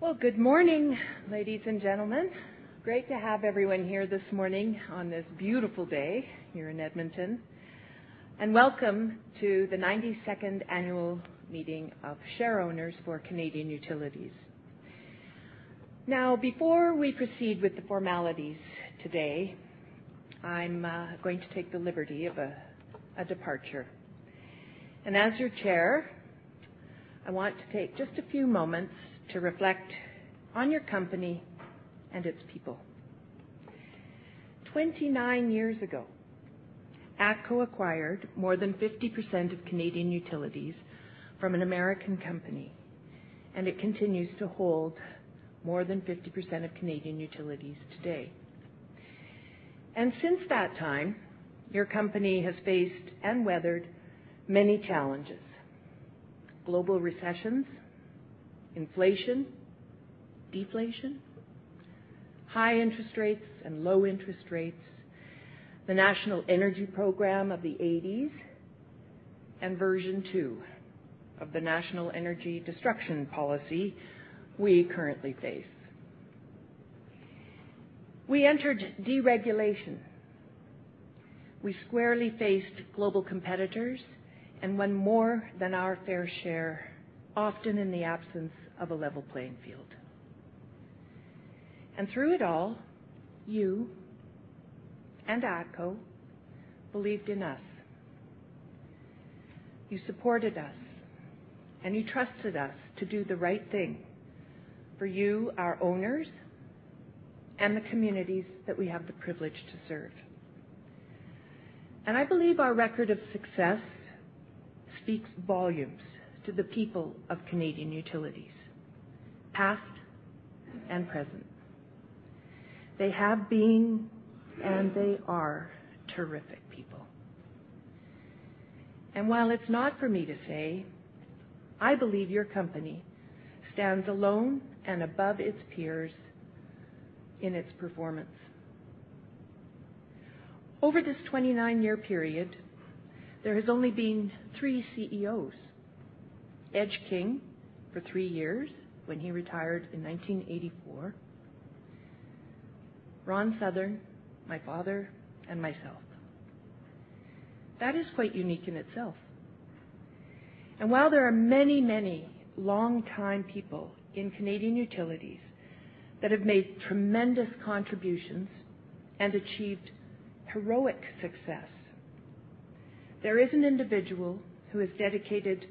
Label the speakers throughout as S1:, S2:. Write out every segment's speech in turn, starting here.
S1: Well, good morning, ladies and gentlemen. Great to have everyone here this morning on this beautiful day here in Edmonton. Welcome to the 92nd annual meeting of shareowners for Canadian Utilities. Before we proceed with the formalities today, I'm going to take the liberty of a departure. As your chair, I want to take just a few moments to reflect on your company and its people. 29 years ago, ATCO acquired more than 50% of Canadian Utilities from an American company, and it continues to hold more than 50% of Canadian Utilities today. Since that time, your company has faced and weathered many challenges, global recessions, inflation, deflation, high interest rates, and low interest rates, the National Energy Program of the '80s, and version two of the national energy destruction policy we currently face. We entered deregulation. We squarely faced global competitors and won more than our fair share, often in the absence of a level playing field. Through it all, you and ATCO believed in us, you supported us, and you trusted us to do the right thing for you, our owners, and the communities that we have the privilege to serve. I believe our record of success speaks volumes to the people of Canadian Utilities, past and present. They have been, and they are terrific people. While it's not for me to say, I believe your company stands alone and above its peers in its performance. Over this 29-year period, there has only been three CEOs. Ege King for three years when he retired in 1984, Ron Southern, my father, and myself. That is quite unique in itself. While there are many, many longtime people in Canadian Utilities that have made tremendous contributions and achieved heroic success, there is an individual who has dedicated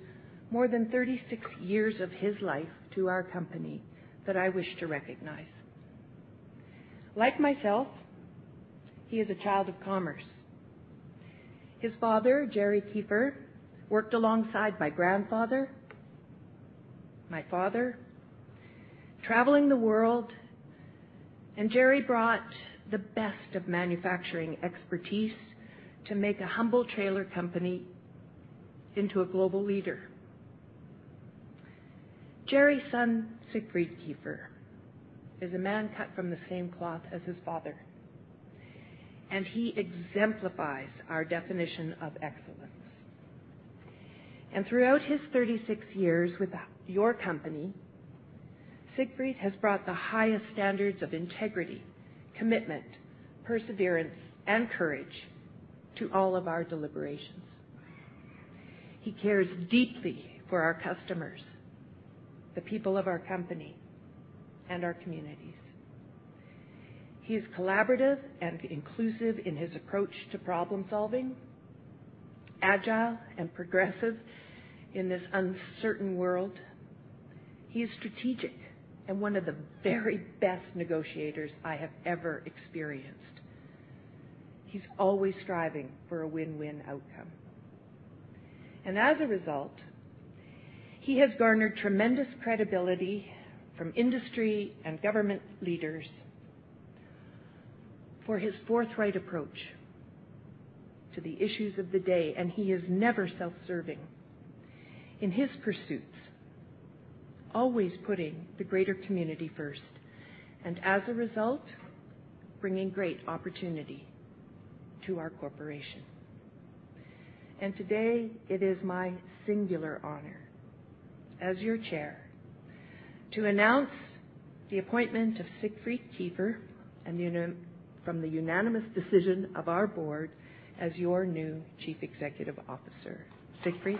S1: more than 36 years of his life to our company that I wish to recognize. Like myself, he is a child of commerce. His father, Gerry Kiefer, worked alongside my grandfather, my father, traveling the world, and Gerry brought the best of manufacturing expertise to make a humble trailer company into a global leader. Gerry's son, Siegfried Kiefer, is a man cut from the same cloth as his father, and he exemplifies our definition of excellence. Throughout his 36 years with your company, Siegfried has brought the highest standards of integrity, commitment, perseverance, and courage to all of our deliberations. He cares deeply for our customers, the people of our company, and our communities. He is collaborative and inclusive in his approach to problem-solving, agile and progressive in this uncertain world. He is strategic and one of the very best negotiators I have ever experienced. He's always striving for a win-win outcome. As a result, he has garnered tremendous credibility from industry and government leaders for his forthright approach to the issues of the day, and he is never self-serving in his pursuits, always putting the greater community first, and as a result, bringing great opportunity to our corporation. Today, it is my singular honor, as your chair, to announce the appointment of Siegfried Kiefer from the unanimous decision of our board as your new chief executive officer. Siegfried.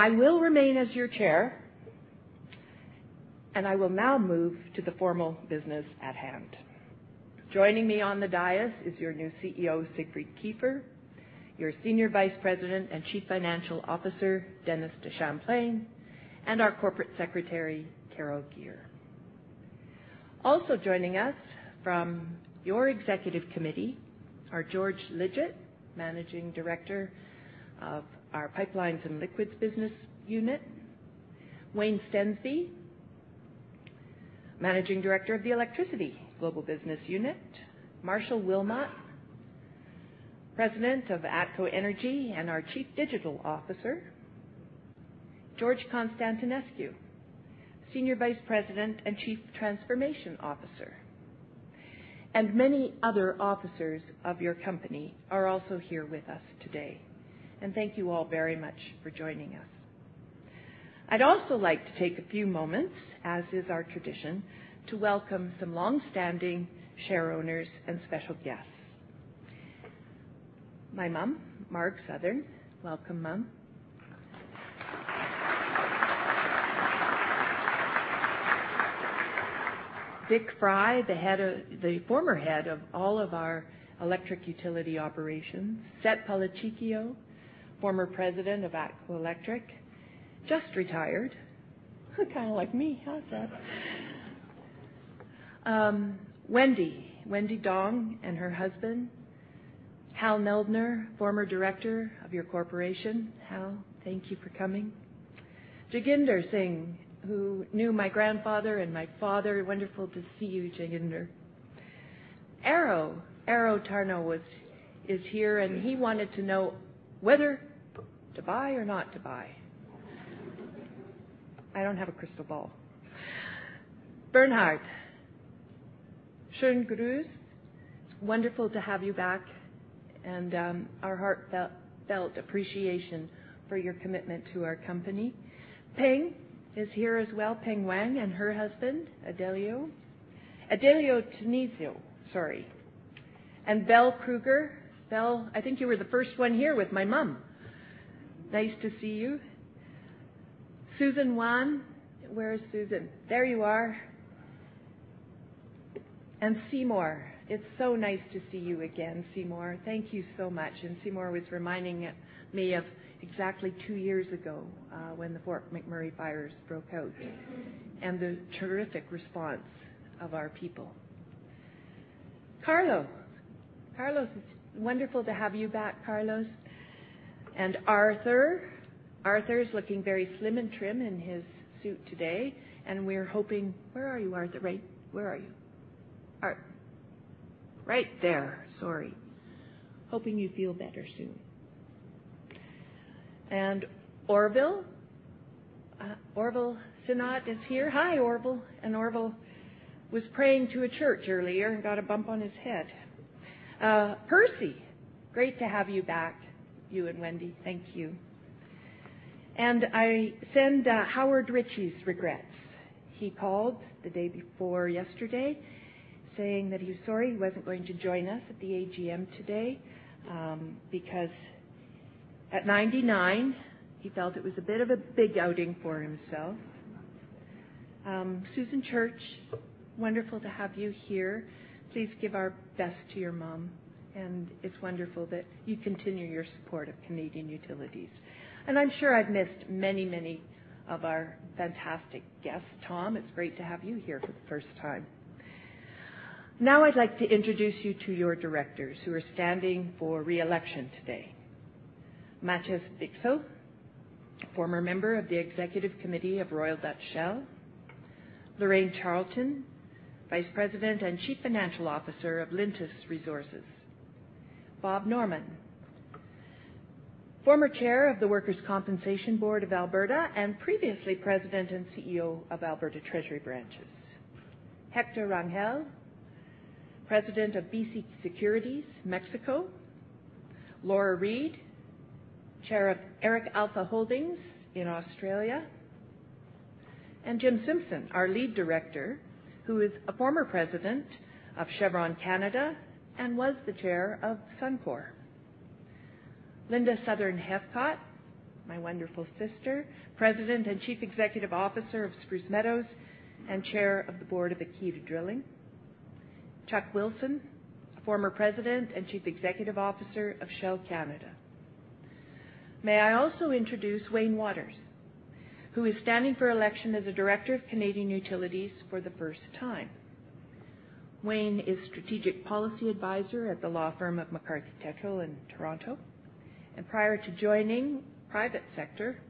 S1: I will remain as your chair, and I will now move to the formal business at hand. Joining me on the dais is your new CEO, Siegfried Kiefer, your Senior Vice President and Chief Financial Officer, Dennis DeChamplain, and our Corporate Secretary, Carol Gear. Also joining us from your executive committee are George Lidgett, Managing Director of our Pipelines & Liquids business unit, Wayne Stensby, Managing Director of the Electricity Global Business Unit, Marshall Wilmot, President of ATCO Energy and our Chief Digital Officer. George Constantinescu, Senior Vice President and Chief Transformation Officer. Many other officers of your company are also here with us today. Thank you all very much for joining us. I'd also like to take a few moments, as is our tradition, to welcome some longstanding share owners and special guests. My mom, Marg Southern. Welcome, Mom. Dick Frey, the former head of all of our electric utility operations. Sett Policicchio, former President of ATCO Electric, just retired. Kind of like me, huh, Sett? Wendy Dong and her husband. Hal Neldner, former Director of your corporation. Hal, thank you for coming. Jaginder Singh, who knew my grandfather and my father. Wonderful to see you, Jaginder. Arno Thurner is here, and he wanted to know whether Dubai or not Dubai. I don't have a crystal ball. Bernhard. It's wonderful to have you back, and our heartfelt appreciation for your commitment to our company. Ping is here as well, Ping Wang and her husband, Adelio Tenezio. Belle Kruger. Belle, I think you were the first one here with my mom. Nice to see you. Susan Wan. Where is Susan? There you are. Seymour. It's so nice to see you again, Seymour. Thank you so much. Seymour was reminding me of exactly 2 years ago, when the Fort McMurray fires broke out, and the terrific response of our people. Carlos. Carlos, it's wonderful to have you back, Carlos. Arthur. Arthur's looking very slim and trim in his suit today, and we're hoping Where are you, Arthur? Where are you? Right there, sorry. Hoping you feel better soon. Orville Sinnott is here. Hi, Orville. Orville was praying to a church earlier and got a bump on his head. Percy, great to have you back, you and Wendy. Thank you. I send Howard Ritchie's regrets. He called the day before yesterday saying that he's sorry he wasn't going to join us at the AGM today, because at 99, he felt it was a bit of a big outing for himself. Susan Church, wonderful to have you here. Please give our best to your mom, and it's wonderful that you continue your support of Canadian Utilities. I'm sure I've missed many of our fantastic guests. Tom, it's great to have you here for the first time. Now I'd like to introduce you to your Directors who are standing for re-election today. Matthias Bichsel, former member of the executive committee of Royal Dutch Shell. Loraine Charlton, Vice President and Chief Financial Officer of Lintus Resources. Robert Normand, former Chair of the Workers' Compensation Board of Alberta and previously President and CEO of Alberta Treasury Branches. Héctor Rangel, President of BCP Securities Mexico. Laura Reed, Chair of ERIC Alpha Holdings in Australia. Jim Simpson, our Lead Director, who is a former President of Chevron Canada and was the Chair of Suncor. Linda Southern-Heathcott, my wonderful sister, president and chief executive officer of Spruce Meadows, and chair of the board of AKITA Drilling. Chuck Wilson, former president and chief executive officer of Shell Canada. May I also introduce Wayne Wouters, who is standing for election as a director of Canadian Utilities for the first time. Wayne is strategic policy advisor at the law firm of McCarthy Tétrault in Toronto. Prior to joining private sector,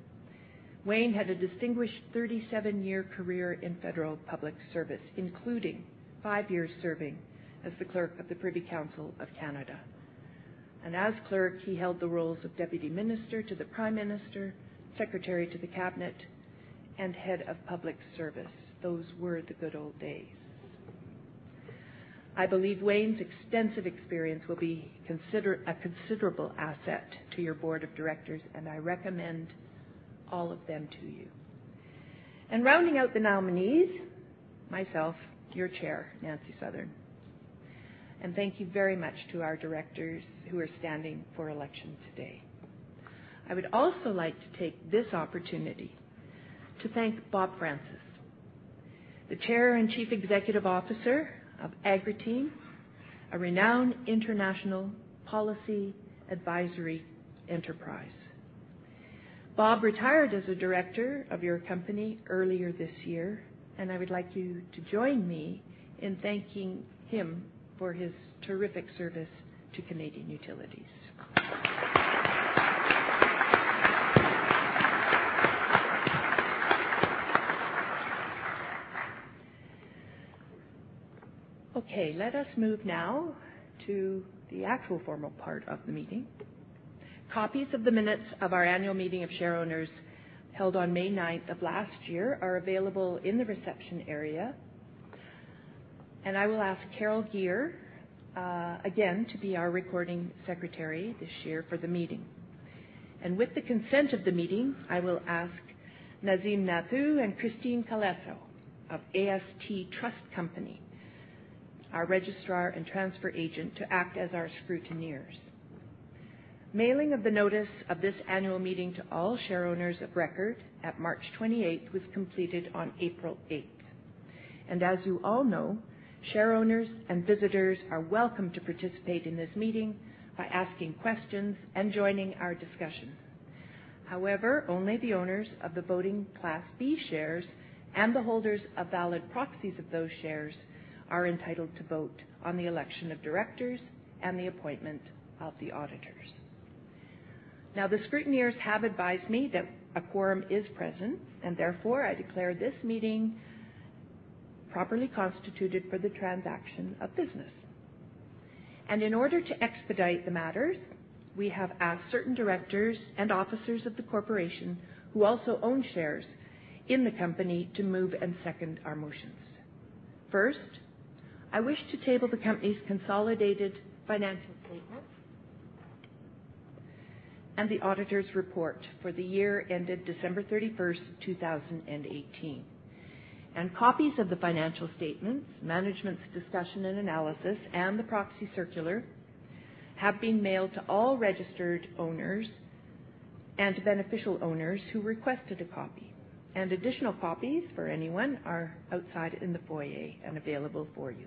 S1: Wayne had a distinguished 37-year career in federal public service, including five years serving as the clerk of the Privy Council for Canada. As clerk, he held the roles of Deputy Minister to the Prime Minister, Secretary to the Cabinet, and Head of Public Service. Those were the good old days. I believe Wayne's extensive experience will be a considerable asset to your board of directors, and I recommend all of them to you. Rounding out the nominees, myself, your chair, Nancy Southern. Thank you very much to our directors who are standing for election today. I would also like to take this opportunity to thank Bob Francis, the Chair and Chief Executive Officer of Agriteam, a renowned international policy advisory enterprise. Bob retired as a director of your company earlier this year, I would like you to join me in thanking him for his terrific service to Canadian Utilities. Let us move now to the actual formal part of the meeting. Copies of the minutes of our annual meeting of share owners held on May 9th of last year are available in the reception area. I will ask Carol Gear again to be our recording secretary this year for the meeting. With the consent of the meeting, I will ask Nazim Nathoo and Kristine Calesso of AST Trust Company, our registrar and transfer agent, to act as our scrutineers. Mailing of the notice of this annual meeting to all share owners of record at March 28th was completed on April 8th. As you all know, share owners and visitors are welcome to participate in this meeting by asking questions and joining our discussion. However, only the owners of the voting Class B shares and the holders of valid proxies of those shares are entitled to vote on the election of directors and the appointment of the auditors. The scrutineers have advised me that a quorum is present, therefore, I declare this meeting properly constituted for the transaction of business. In order to expedite the matters, we have asked certain directors and officers of the corporation who also own shares in the company to move and second our motions. First, I wish to table the company's consolidated financial statements and the auditor's report for the year ended December 31st, 2018. Copies of the financial statements, Management's Discussion and Analysis, and the proxy circular have been mailed to all registered owners and beneficial owners who requested a copy. Additional copies for anyone are outside in the foyer and available for you.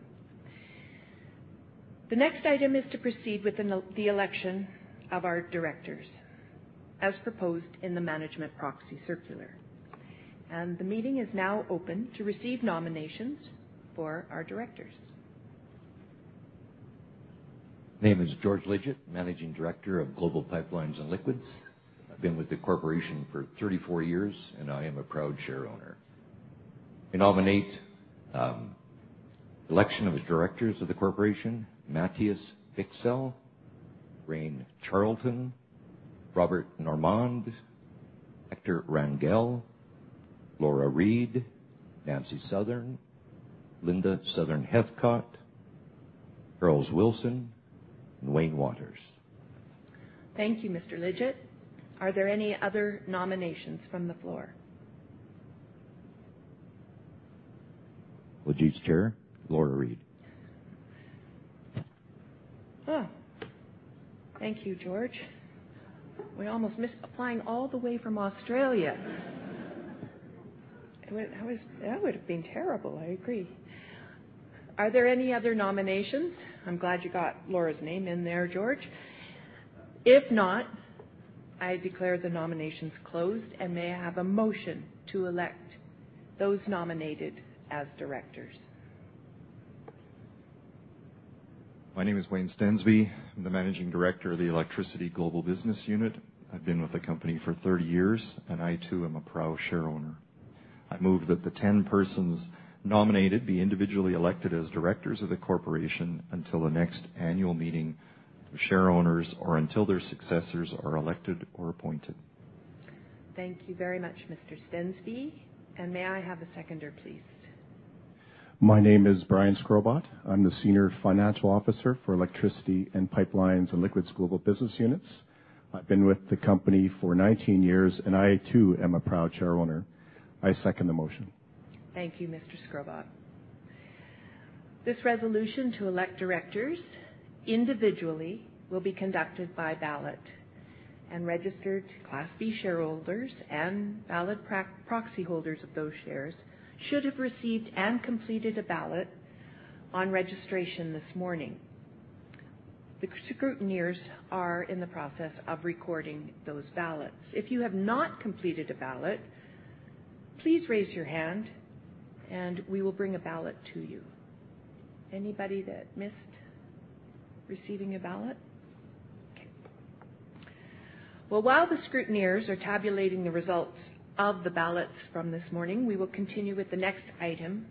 S1: The next item is to proceed with the election of our directors as proposed in the management proxy circular. The meeting is now open to receive nominations for our directors.
S2: My name is George Lidgett, Managing Director of Global Pipelines & Liquids. I've been with the corporation for 34 years, and I am a proud share owner. I nominate the election of the directors of the corporation, Matthias Bichsel, Loraine Charlton, Robert Normand, Héctor Rangel, Laura Reed, Nancy Southern, Linda Southern-Heathcott, Charles Wilson, and Wayne Wouters.
S1: Thank you, Mr. Lidgett. Are there any other nominations from the floor?
S2: With due care, Laura Reed.
S1: Oh. Thank you, George. We almost missed flying all the way from Australia. That would've been terrible, I agree. Are there any other nominations? I'm glad you got Laura's name in there, George. If not, I declare the nominations closed, and may I have a motion to elect those nominated as directors?
S3: My name is Wayne Stensby. I'm the Managing Director of the Electricity Global Business Unit. I've been with the company for 30 years, and I too am a proud share owner. I move that the 10 persons nominated be individually elected as directors of the corporation until the next annual meeting of share owners or until their successors are elected or appointed.
S1: Thank you very much, Mr. Stensby. May I have a seconder, please?
S4: My name is Brian Skubel. I'm the Senior Financial Officer for Electricity and Pipelines & Liquids Global Business Units. I've been with the company for 19 years, and I too am a proud share owner. I second the motion.
S1: Thank you, Mr. Skubel. This resolution to elect directors individually will be conducted by ballot, and registered Class B shareholders and valid proxy holders of those shares should have received and completed a ballot on registration this morning. The scrutineers are in the process of recording those ballots. If you have not completed a ballot, please raise your hand, and we will bring a ballot to you. Anybody that missed receiving a ballot? Okay. Well, while the scrutineers are tabulating the results of the ballots from this morning, we will continue with the next item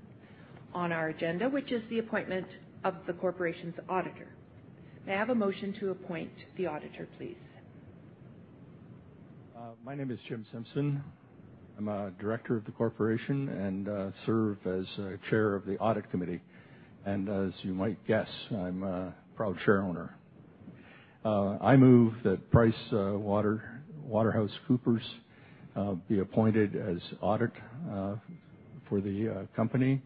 S1: on our agenda, which is the appointment of the corporation's auditor. May I have a motion to appoint the auditor, please?
S5: My name is Jim Simpson. I am a director of the corporation and serve as chair of the audit committee. As you might guess, I am a proud share owner. I move that PricewaterhouseCoopers be appointed as audit for the company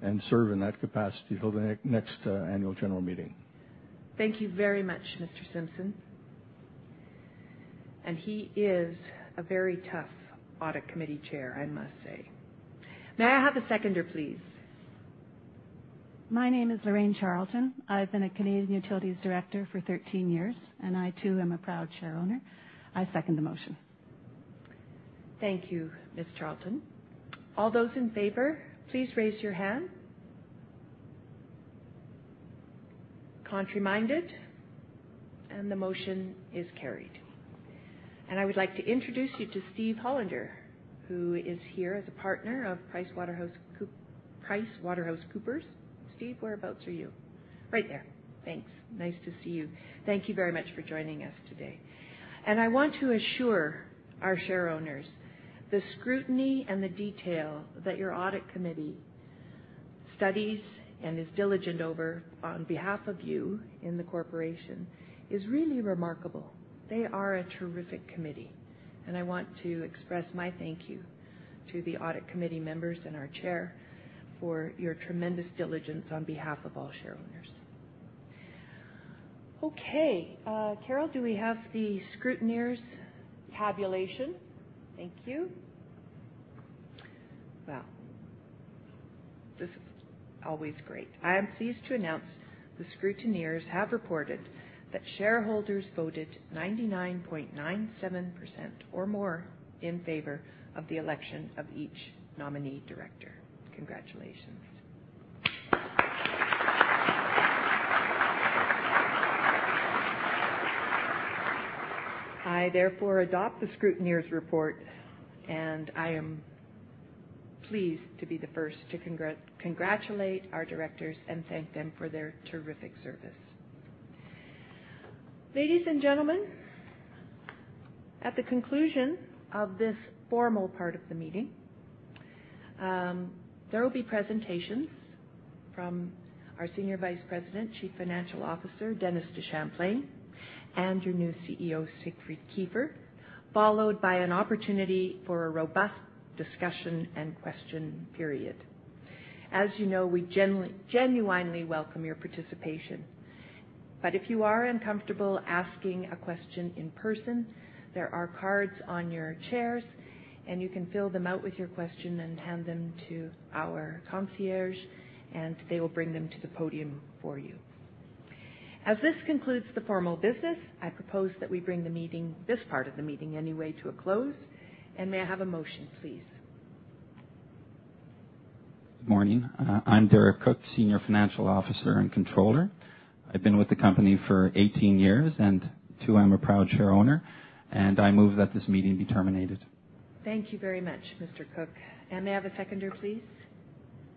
S5: and serve in that capacity until the next annual general meeting.
S1: Thank you very much, Mr. Simpson. He is a very tough audit committee chair, I must say. May I have a seconder, please?
S6: My name is Loraine Charlton. I have been a Canadian Utilities director for 13 years, and I too am a proud share owner. I second the motion.
S1: Thank you, Ms. Charlton. All those in favor, please raise your hand. Contrary minded? The motion is carried. I would like to introduce you to Steve Hollinger, who is here as a partner of PricewaterhouseCoopers. Steve, whereabouts are you? Right there. Thanks. Nice to see you. Thank you very much for joining us today. I want to assure our shareowners the scrutiny and the detail that your audit committee studies and is diligent over on behalf of you in the corporation is really remarkable. They are a terrific committee, and I want to express my thank you to the audit committee members and our chair for your tremendous diligence on behalf of all shareowners. Okay. Carol, do we have the scrutineers' tabulation? Thank you. Well, this is always great. I am pleased to announce the scrutineers have reported that shareholders voted 99.97% or more in favor of the election of each nominee director. Congratulations. I therefore adopt the scrutineers' report, and I am pleased to be the first to congratulate our directors and thank them for their terrific service. Ladies and gentlemen, at the conclusion of this formal part of the meeting, there will be presentations from our Senior Vice President, Chief Financial Officer, Dennis DeChamplain, and your new CEO, Siegfried Kiefer, followed by an opportunity for a robust discussion and question period. As you know, we genuinely welcome your participation. If you are uncomfortable asking a question in person, there are cards on your chairs, and you can fill them out with your question and hand them to our concierge, and they will bring them to the podium for you. As this concludes the formal business, I propose that we bring this part of the meeting to a close. May I have a motion, please?
S7: Good morning. I am Derek Cook, Senior Financial Officer and Controller. I have been with the company for 18 years, and too, I am a proud shareowner, and I move that this meeting be terminated.
S1: Thank you very much, Mr. Cook. May I have a seconder, please?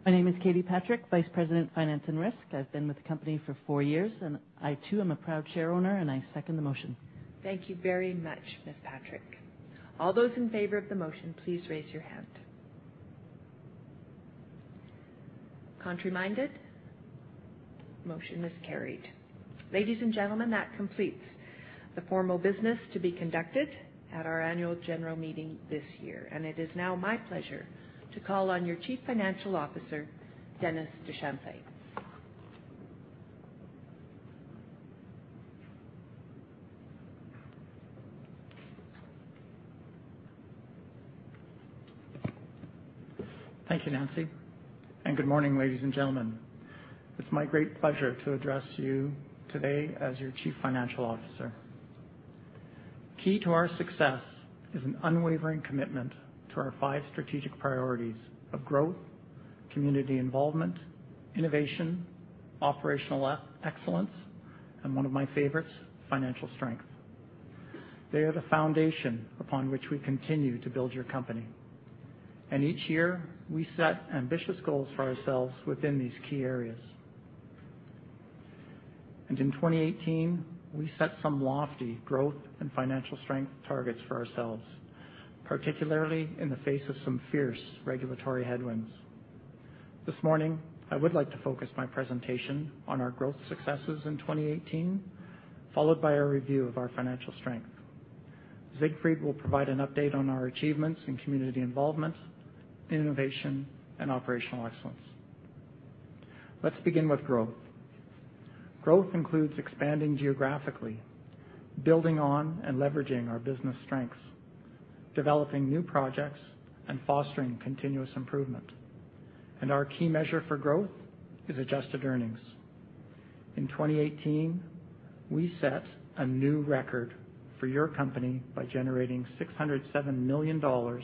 S8: My name is Katie Patrick, Vice President of Finance and Risk. I've been with the company for four years, and I too am a proud shareowner. I second the motion.
S1: Thank you very much, Ms. Patrick. All those in favor of the motion, please raise your hand. Contrary minded? Motion is carried. Ladies and gentlemen, that completes the formal business to be conducted at our annual general meeting this year. It is now my pleasure to call on your Chief Financial Officer, Dennis DeChamplain.
S9: Thank you, Nancy. Good morning, ladies and gentlemen. It's my great pleasure to address you today as your chief financial officer. Key to our success is an unwavering commitment to our five strategic priorities of growth, community involvement, innovation, operational excellence, and one of my favorites, financial strength. They are the foundation upon which we continue to build your company. Each year, we set ambitious goals for ourselves within these key areas. In 2018, we set some lofty growth and financial strength targets for ourselves, particularly in the face of some fierce regulatory headwinds. This morning, I would like to focus my presentation on our growth successes in 2018, followed by a review of our financial strength. Siegfried will provide an update on our achievements in community involvement, innovation, and operational excellence. Let's begin with growth. Growth includes expanding geographically, building on and leveraging our business strengths, developing new projects, and fostering continuous improvement. Our key measure for growth is adjusted earnings. In 2018, we set a new record for your company by generating 607 million dollars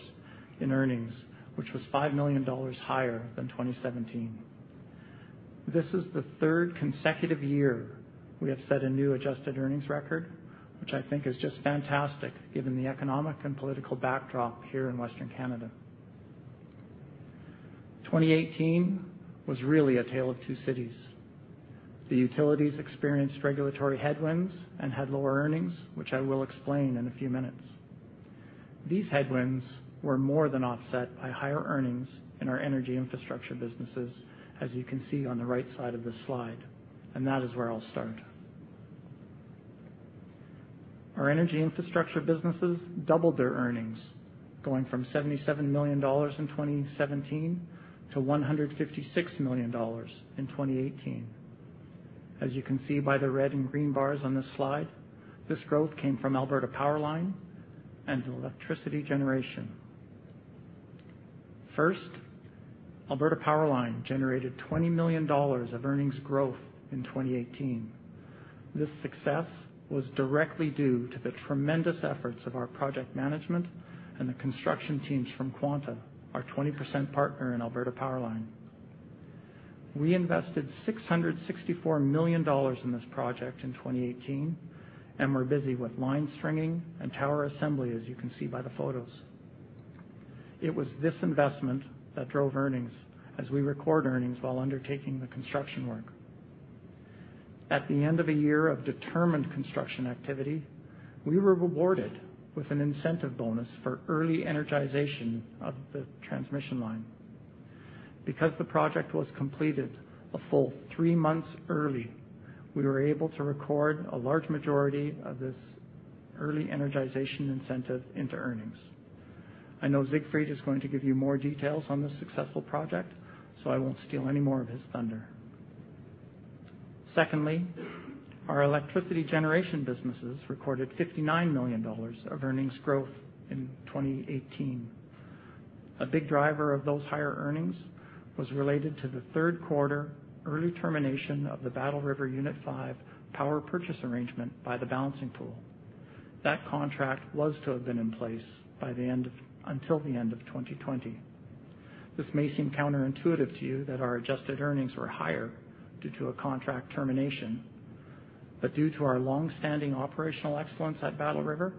S9: in earnings, which was 5 million dollars higher than 2017. This is the third consecutive year we have set a new adjusted earnings record, which I think is just fantastic given the economic and political backdrop here in Western Canada. 2018 was really a tale of two cities. The utilities experienced regulatory headwinds and had lower earnings, which I will explain in a few minutes. These headwinds were more than offset by higher earnings in our energy infrastructure businesses, as you can see on the right side of this slide. That is where I'll start. Our energy infrastructure businesses doubled their earnings, going from 77 million dollars in 2017 to 156 million dollars in 2018. As you can see by the red and green bars on this slide, this growth came from Alberta PowerLine and Electricity Generation. First, Alberta PowerLine generated 20 million dollars of earnings growth in 2018. This success was directly due to the tremendous efforts of our project management and the construction teams from Quanta, our 20% partner in Alberta PowerLine. We invested 664 million dollars in this project in 2018, and we're busy with line stringing and tower assembly, as you can see by the photos. It was this investment that drove earnings as we record earnings while undertaking the construction work. At the end of a year of determined construction activity, we were rewarded with an incentive bonus for early energization of the transmission line. The project was completed a full three months early, we were able to record a large majority of this early energization incentive into earnings. I know Siegfried is going to give you more details on this successful project, so I won't steal any more of his thunder. Our electricity generation businesses recorded 59 million dollars of earnings growth in 2018. A big driver of those higher earnings was related to the third quarter early termination of the Battle River unit 5 power purchase arrangement by the Balancing Pool. That contract was to have been in place until the end of 2020. This may seem counterintuitive to you that our adjusted earnings were higher due to a contract termination, but due to our longstanding operational excellence at Battle River,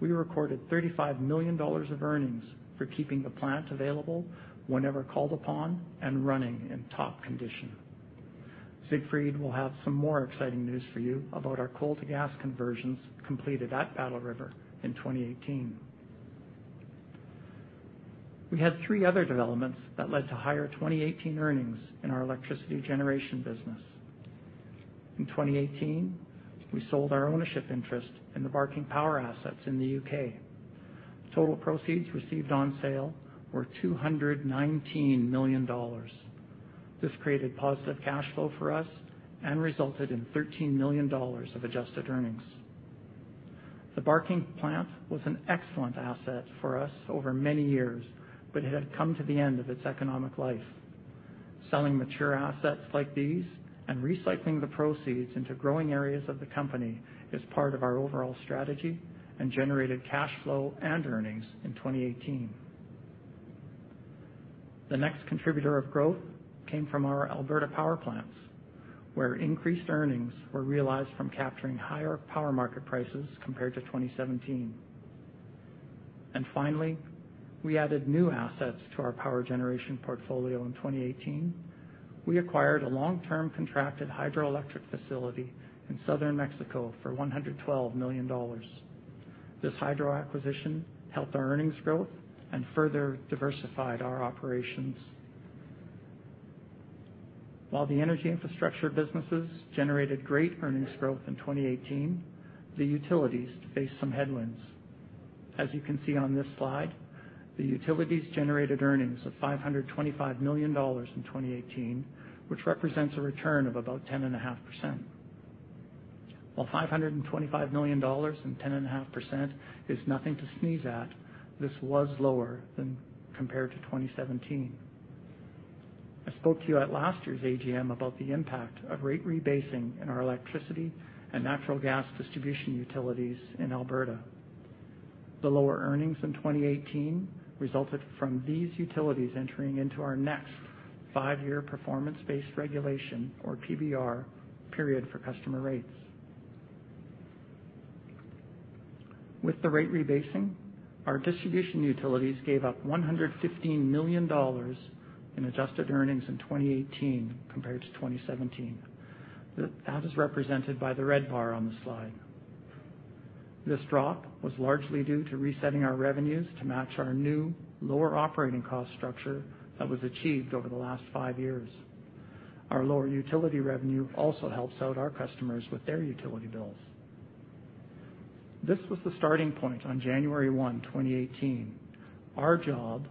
S9: we recorded 35 million dollars of earnings for keeping the plant available whenever called upon and running in top condition. Siegfried will have some more exciting news for you about our coal to gas conversions completed at Battle River in 2018. We had three other developments that led to higher 2018 earnings in our electricity generation business. In 2018, we sold our ownership interest in the Barking Power assets in the U.K. Total proceeds received on sale were 219 million dollars. This created positive cash flow for us and resulted in 13 million dollars of adjusted earnings. The Barking plant was an excellent asset for us over many years, but it had come to the end of its economic life. Selling mature assets like these and recycling the proceeds into growing areas of the company is part of our overall strategy and generated cash flow and earnings in 2018. The next contributor of growth came from our Alberta Power plants, where increased earnings were realized from capturing higher power market prices compared to 2017. We added new assets to our power generation portfolio in 2018. We acquired a long-term contracted hydroelectric facility in southern Mexico for 112 million dollars. This hydro acquisition helped our earnings growth and further diversified our operations. While the energy infrastructure businesses generated great earnings growth in 2018, the utilities faced some headwinds. As you can see on this slide, the utilities generated earnings of 525 million dollars in 2018, which represents a return of about 10.5%. While 525 million dollars and 10.5% is nothing to sneeze at, this was lower than compared to 2017. I spoke to you at last year's AGM about the impact of rate rebasing in our electricity and natural gas distribution utilities in Alberta. The lower earnings in 2018 resulted from these utilities entering into our next five-year performance-based regulation or PBR period for customer rates. With the rate rebasing, our distribution utilities gave up 115 million dollars in adjusted earnings in 2018 compared to 2017. That is represented by the red bar on the slide. This drop was largely due to resetting our revenues to match our new, lower operating cost structure that was achieved over the last five years. Our lower utility revenue also helps out our customers with their utility bills. This was the starting point on January 1, 2018. Our job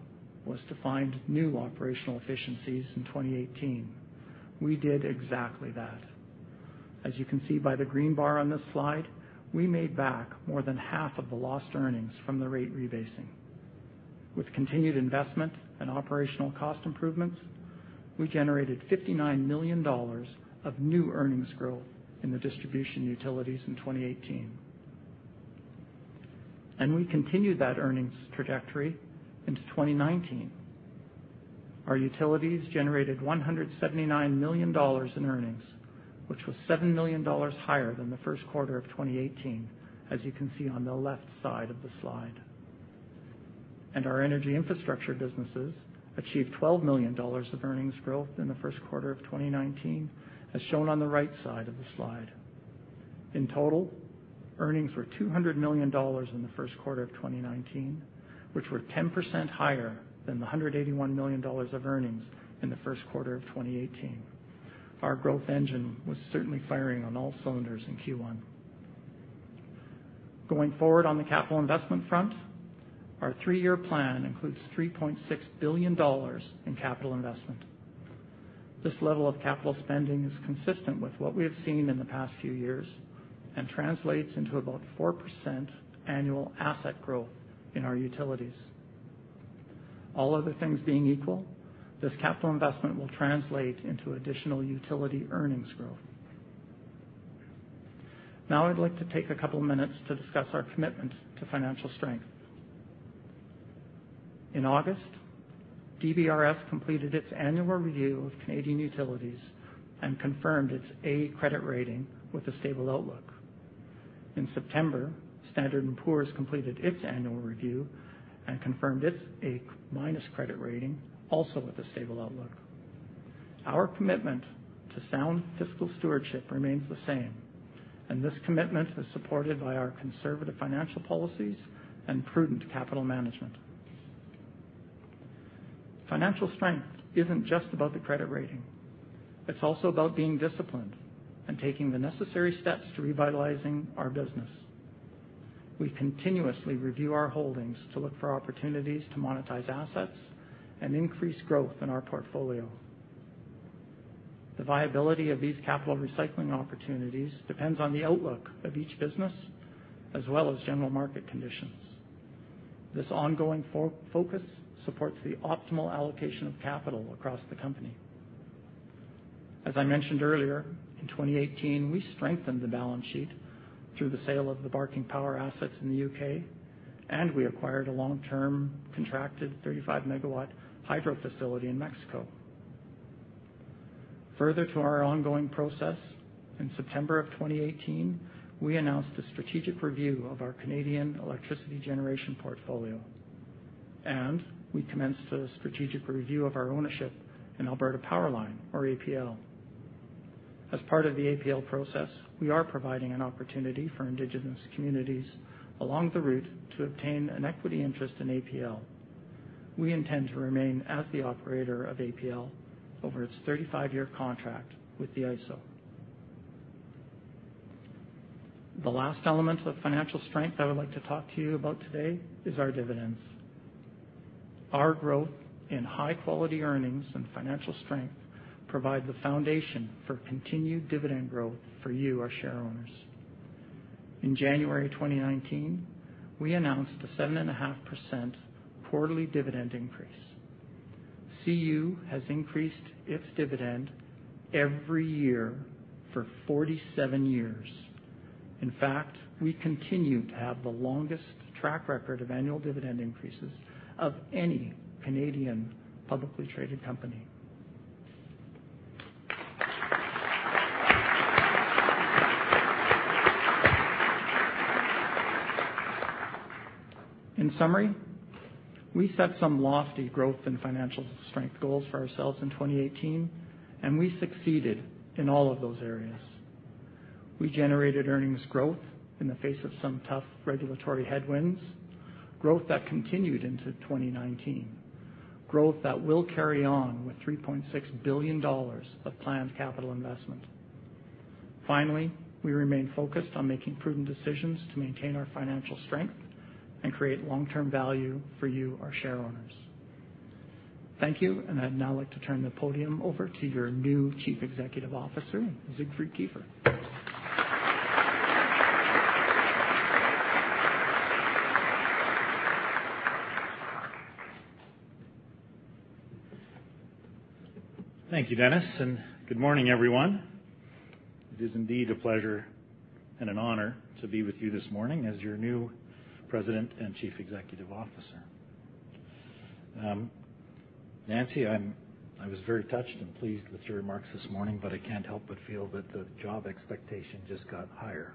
S9: was to find new operational efficiencies in 2018. We did exactly that. As you can see by the green bar on this slide, we made back more than half of the lost earnings from the rate rebasing. With continued investment and operational cost improvements, we generated 59 million dollars of new earnings growth in the distribution utilities in 2018. We continued that earnings trajectory into 2019. Our utilities generated 179 million dollars in earnings, which was 7 million dollars higher than the first quarter of 2018, as you can see on the left side of the slide. Our energy infrastructure businesses achieved 12 million dollars of earnings growth in the first quarter of 2019, as shown on the right side of the slide. In total, earnings were 200 million dollars in the first quarter of 2019, which were 10% higher than the 181 million dollars of earnings in the first quarter of 2018. Our growth engine was certainly firing on all cylinders in Q1. Going forward on the capital investment front, our three-year plan includes 3.6 billion dollars in capital investment. This level of capital spending is consistent with what we have seen in the past few years and translates into about 4% annual asset growth in our utilities. All other things being equal, this capital investment will translate into additional utility earnings growth. Now I'd like to take a couple minutes to discuss our commitment to financial strength. In August, DBRS completed its annual review of Canadian Utilities and confirmed its A credit rating with a stable outlook. In September, Standard & Poor's completed its annual review and confirmed its A- credit rating, also with a stable outlook. Our commitment to sound fiscal stewardship remains the same, and this commitment is supported by our conservative financial policies and prudent capital management. Financial strength isn't just about the credit rating. It's also about being disciplined and taking the necessary steps to revitalizing our business. We continuously review our holdings to look for opportunities to monetize assets and increase growth in our portfolio. The viability of these capital recycling opportunities depends on the outlook of each business, as well as general market conditions. This ongoing focus supports the optimal allocation of capital across the company. As I mentioned earlier, in 2018, we strengthened the balance sheet through the sale of the Barking Power assets in the U.K., and we acquired a long-term contracted 35-megawatt hydro facility in Mexico. Further to our ongoing process, in September of 2018, we announced a strategic review of our Canadian electricity generation portfolio, and we commenced a strategic review of our ownership in Alberta PowerLine, or APL. As part of the APL process, we are providing an opportunity for indigenous communities along the route to obtain an equity interest in APL. We intend to remain as the operator of APL over its 35-year contract with the ISO. The last element of financial strength that I would like to talk to you about today is our dividends. Our growth in high-quality earnings and financial strength provide the foundation for continued dividend growth for you, our shareowners. In January 2019, we announced a 7.5% quarterly dividend increase. CU has increased its dividend every year for 47 years. In fact, we continue to have the longest track record of annual dividend increases of any Canadian publicly traded company. In summary, we set some lofty growth and financial strength goals for ourselves in 2018, and we succeeded in all of those areas. We generated earnings growth in the face of some tough regulatory headwinds, growth that continued into 2019, growth that will carry on with 3.6 billion dollars of planned capital investment. Finally, we remain focused on making prudent decisions to maintain our financial strength and create long-term value for you, our shareowners. Thank you, and I'd now like to turn the podium over to your new Chief Executive Officer, Siegfried Kiefer.
S10: Thank you, Dennis, and good morning, everyone. It is indeed a pleasure and an honor to be with you this morning as your new President and Chief Executive Officer. Nancy, I was very touched and pleased with your remarks this morning, I can't help but feel that the job expectation just got higher.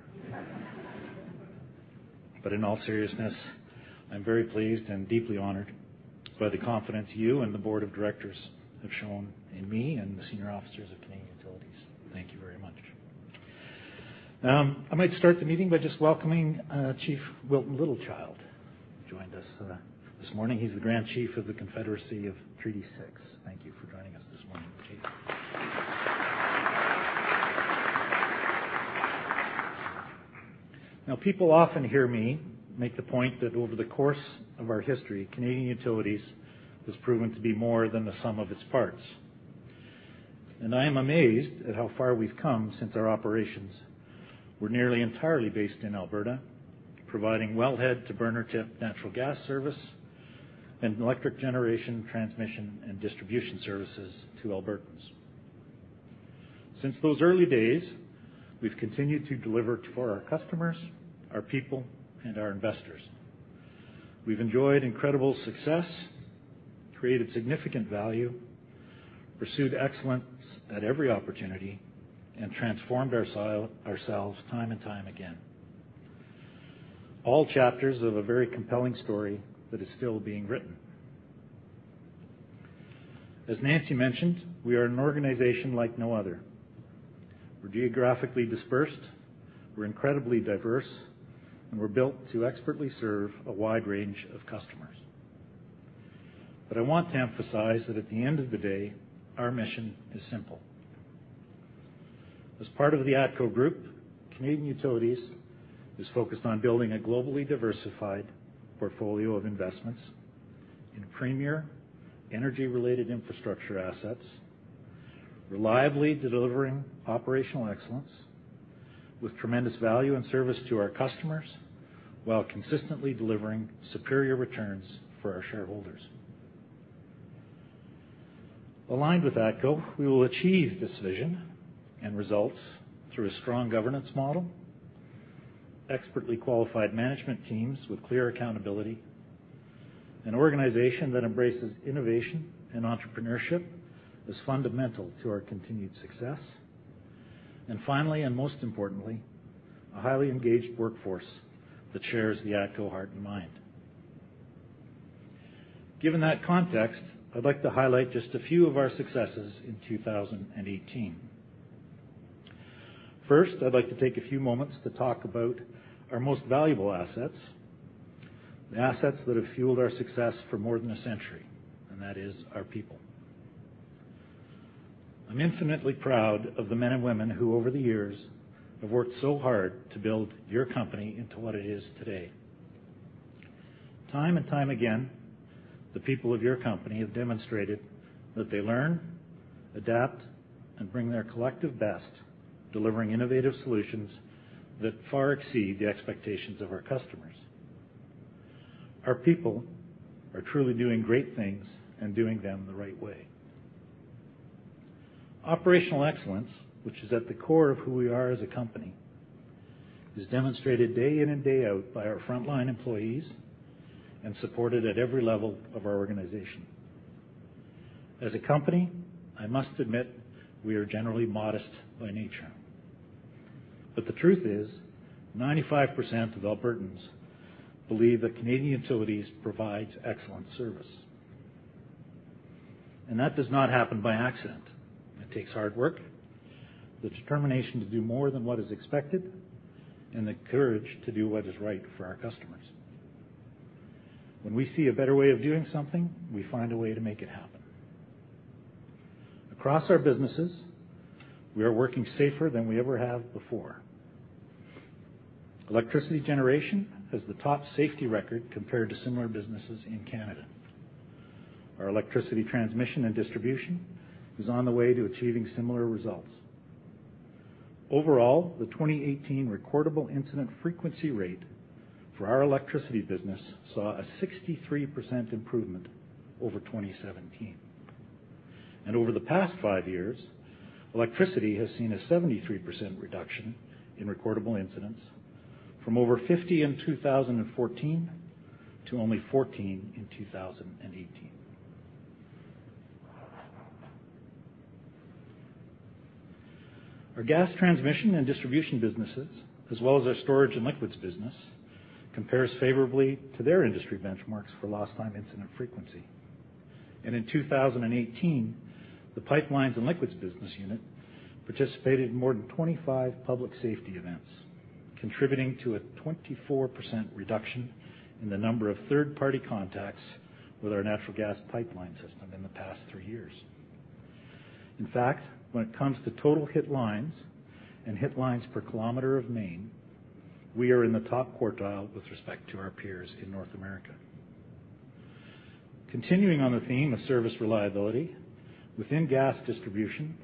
S10: In all seriousness, I'm very pleased and deeply honored by the confidence you and the board of directors have shown in me and the senior officers of Canadian Utilities. Thank you very much. I might start the meeting by just welcoming Chief Wilton Littlechild, who joined us this morning. He's the Grand Chief of the Confederacy of Treaty Six. Thank you for joining us this morning, Chief. People often hear me make the point that over the course of our history, Canadian Utilities has proven to be more than the sum of its parts. I am amazed at how far we've come since our operations were nearly entirely based in Alberta, providing wellhead-to-burner tip natural gas service and electric generation, transmission, and distribution services to Albertans. Since those early days, we've continued to deliver for our customers, our people, and our investors. We've enjoyed incredible success, created significant value, pursued excellence at every opportunity, and transformed ourselves time and time again. All chapters of a very compelling story that is still being written. As Nancy mentioned, we are an organization like no other. We're geographically dispersed, we're incredibly diverse, and we're built to expertly serve a wide range of customers. I want to emphasize that at the end of the day, our mission is simple. As part of the ATCO Group, Canadian Utilities is focused on building a globally diversified portfolio of investments in premier energy-related infrastructure assets. Reliably delivering operational excellence with tremendous value and service to our customers, while consistently delivering superior returns for our shareholders. Aligned with ATCO, we will achieve this vision and results through a strong governance model, expertly qualified management teams with clear accountability, an organization that embraces innovation and entrepreneurship as fundamental to our continued success, finally, and most importantly, a highly engaged workforce that shares the ATCO heart and mind. Given that context, I'd like to highlight just a few of our successes in 2018. First, I'd like to take a few moments to talk about our most valuable assets, the assets that have fueled our success for more than a century, and that is our people. I'm infinitely proud of the men and women who, over the years, have worked so hard to build your company into what it is today. Time and time again, the people of your company have demonstrated that they learn, adapt, and bring their collective best, delivering innovative solutions that far exceed the expectations of our customers. Our people are truly doing great things and doing them the right way. Operational excellence, which is at the core of who we are as a company, is demonstrated day in and day out by our frontline employees and supported at every level of our organization. As a company, I must admit we are generally modest by nature, but the truth is 95% of Albertans believe that Canadian Utilities provides excellent service, that does not happen by accident. It takes hard work, the determination to do more than what is expected, and the courage to do what is right for our customers. When we see a better way of doing something, we find a way to make it happen. Across our businesses, we are working safer than we ever have before. Electricity generation has the top safety record compared to similar businesses in Canada. Our electricity transmission and distribution is on the way to achieving similar results. Overall, the 2018 recordable incident frequency rate for our electricity business saw a 63% improvement over 2017. Over the past five years, electricity has seen a 73% reduction in recordable incidents from over 50 in 2014 to only 14 in 2018. Our gas transmission and distribution businesses, as well as our storage and liquids business, compares favorably to their industry benchmarks for lost time incident frequency. In 2018, the Pipelines & Liquids business unit participated in more than 25 public safety events, contributing to a 24% reduction in the number of third-party contacts with our natural gas pipeline system in the past three years. In fact, when it comes to total hit lines and hit lines per kilometer of main, we are in the top quartile with respect to our peers in North America. Continuing on the theme of service reliability, within gas distribution,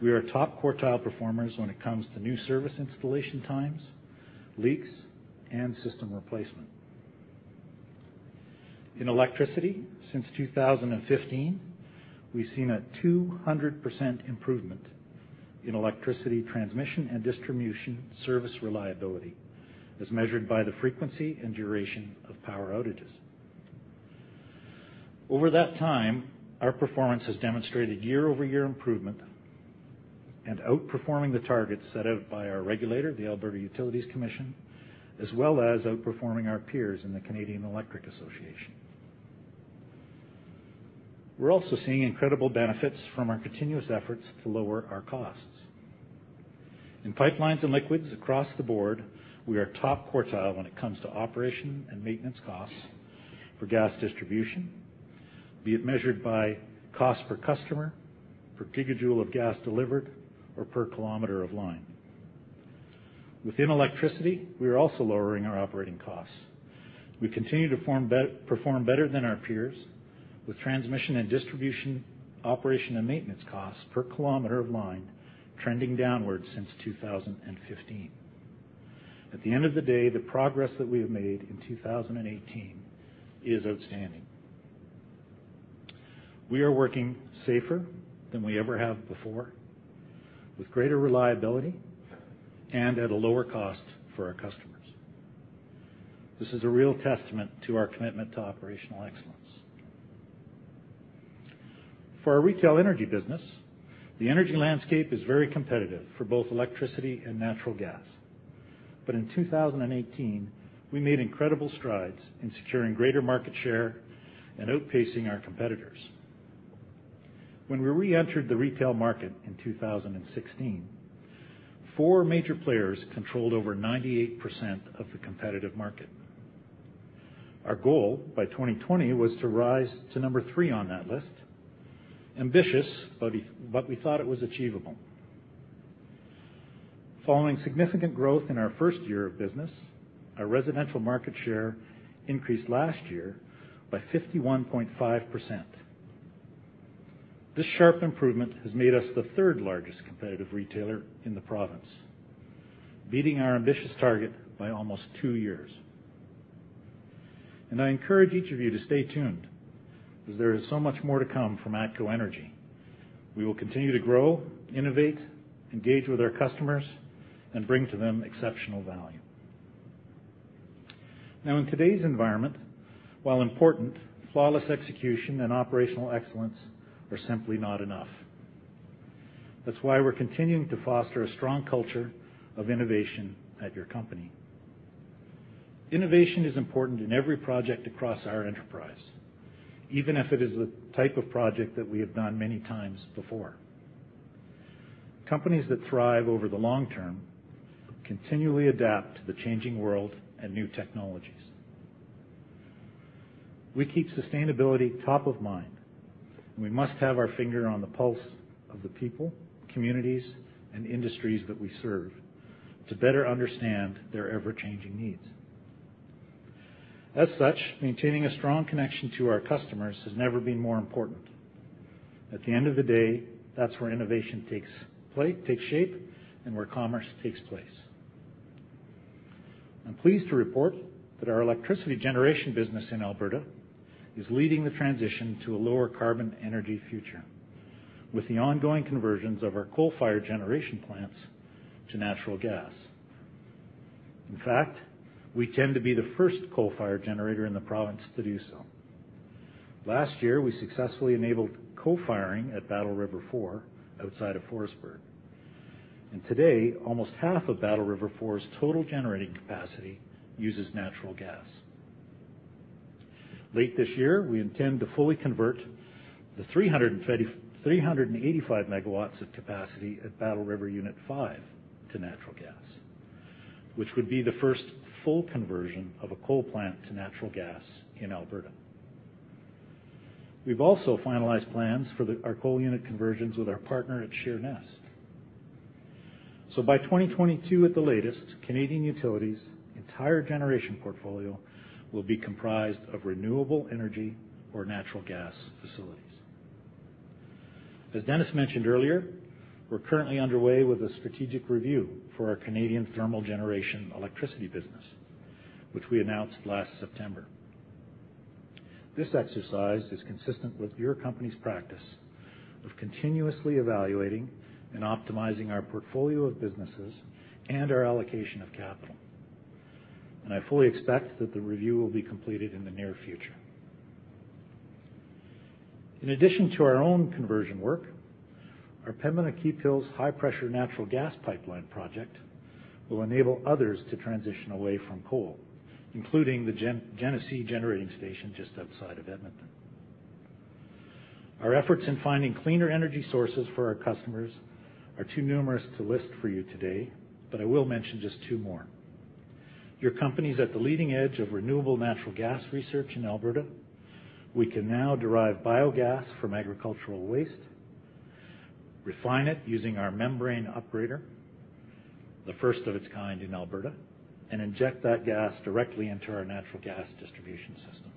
S10: we are top quartile performers when it comes to new service installation times, leaks, and system replacement. In electricity, since 2015, we've seen a 200% improvement in electricity transmission and distribution service reliability, as measured by the frequency and duration of power outages. Over that time, our performance has demonstrated year-over-year improvement and outperforming the targets set out by our regulator, the Alberta Utilities Commission, as well as outperforming our peers in the Canadian Electricity Association. We are also seeing incredible benefits from our continuous efforts to lower our costs. In Pipelines & Liquids across the board, we are top quartile when it comes to operation and maintenance costs for gas distribution, be it measured by cost per customer, per gigajoule of gas delivered, or per kilometer of line. Within electricity, we are also lowering our operating costs. We continue to perform better than our peers with transmission and distribution operation and maintenance costs per kilometer of line trending downward since 2015. At the end of the day, the progress that we have made in 2018 is outstanding. We are working safer than we ever have before with greater reliability and at a lower cost for our customers. This is a real testament to our commitment to operational excellence. For our retail energy business, the energy landscape is very competitive for both electricity and natural gas. In 2018, we made incredible strides in securing greater market share and outpacing our competitors. When we reentered the retail market in 2016, four major players controlled over 98% of the competitive market. Our goal by 2020 was to rise to number 3 on that list. Ambitious, but we thought it was achievable. Following significant growth in our first year of business, our residential market share increased last year by 51.5%. This sharp improvement has made us the third-largest competitive retailer in the province, beating our ambitious target by almost two years. I encourage each of you to stay tuned because there is so much more to come from ATCO Energy. We will continue to grow, innovate, engage with our customers, and bring to them exceptional value. In today's environment, while important, flawless execution and operational excellence are simply not enough. That is why we are continuing to foster a strong culture of innovation at your company. Innovation is important in every project across our enterprise, even if it is the type of project that we have done many times before. Companies that thrive over the long term continually adapt to the changing world and new technologies. We keep sustainability top of mind, and we must have our finger on the pulse of the people, communities, and industries that we serve to better understand their ever-changing needs. As such, maintaining a strong connection to our customers has never been more important. At the end of the day, that is where innovation takes shape and where commerce takes place. I am pleased to report that our electricity generation business in Alberta is leading the transition to a lower-carbon energy future with the ongoing conversions of our coal-fired generation plants to natural gas. In fact, we tend to be the first coal-fired generator in the province to do so. Last year, we successfully enabled co-firing at Battle River 4 outside of Forestburg, and today, almost half of Battle River 4's total generating capacity uses natural gas. Late this year, we intend to fully convert the 385 MW of capacity at Battle River Unit 5 to natural gas, which would be the first full conversion of a coal plant to natural gas in Alberta. We have also finalized plans for our coal unit conversions with our partner at Sheerness. By 2022 at the latest, Canadian Utilities' entire generation portfolio will be comprised of renewable energy or natural gas facilities. As Dennis mentioned earlier, we're currently underway with a strategic review for our Canadian thermal generation electricity business, which we announced last September. This exercise is consistent with your company's practice of continuously evaluating and optimizing our portfolio of businesses and our allocation of capital, I fully expect that the review will be completed in the near future. In addition to our own conversion work, our Pembina-Keephills high-pressure natural gas pipeline project will enable others to transition away from coal, including the Genesee Generating Station just outside of Edmonton. Our efforts in finding cleaner energy sources for our customers are too numerous to list for you today, but I will mention just two more. Your company's at the leading edge of renewable natural gas research in Alberta. We can now derive biogas from agricultural waste, refine it using our membrane upgrader, the first of its kind in Alberta, and inject that gas directly into our natural gas distribution system.